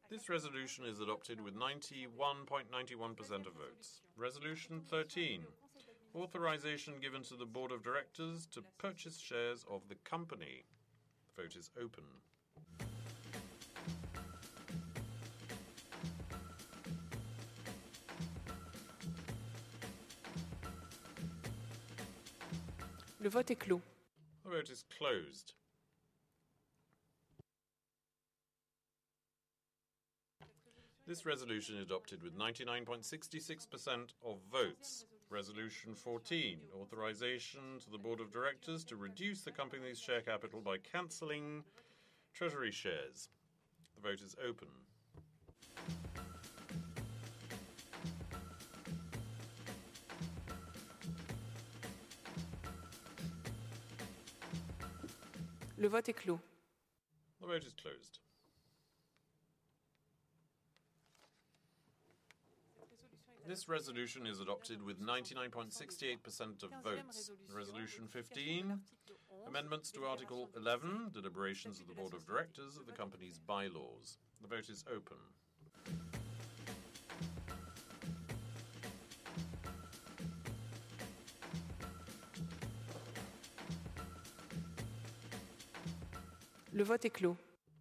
Speaker 1: This resolution is adopted with 91.91% of votes. Resolution thirteen, authorization given to the Board of Directors to purchase shares of the company. The vote is open.
Speaker 7: Le vote est clos.
Speaker 3: The vote is closed. This resolution is adopted with 99.66% of votes. Resolution fourteen, authorization to the Board of Directors to reduce the company's share capital by canceling treasury shares. The vote is open.
Speaker 7: Le vote est clos.
Speaker 3: The vote is closed. This resolution is adopted with 99.68% of votes. Resolution fifteen, amendments to article eleven, deliberations of the Board of Directors of the company's by laws. The vote is open.
Speaker 7: Le vote est clos.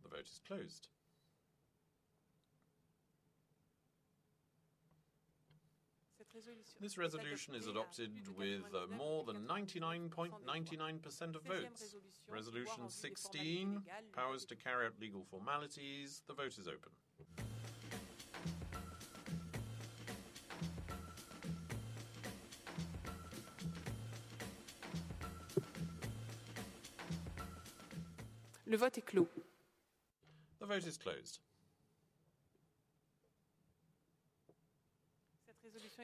Speaker 3: The vote is closed. This resolution is adopted with more than 99.99% of votes. Resolution sixteen, powers to carry out legal formalities. The vote is open.
Speaker 7: Le vote est clos.
Speaker 3: The vote is closed.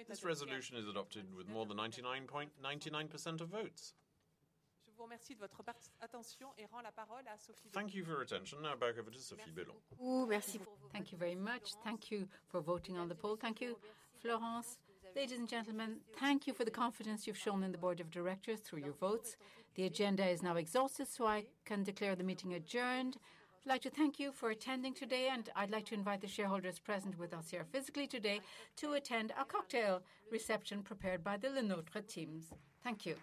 Speaker 3: This resolution is adopted with more than 99.99% of votes.
Speaker 7: Je vous remercie de votre attention et rends la parole à Sophie Bellon.
Speaker 3: Thank you for your attention. Now back over to Sophie Bellon.
Speaker 1: Merci beaucoup. Thank you very much. Thank you for voting on the poll. Thank you, Florence. Ladies and gentlemen, thank you for the confidence you've shown in the board of directors through your votes. The agenda is now exhausted, so I can declare the meeting adjourned. I'd like to thank you for attending today, and I'd like to invite the shareholders present with us here physically today to attend our cocktail reception prepared by the Lenôtre teams. Thank you.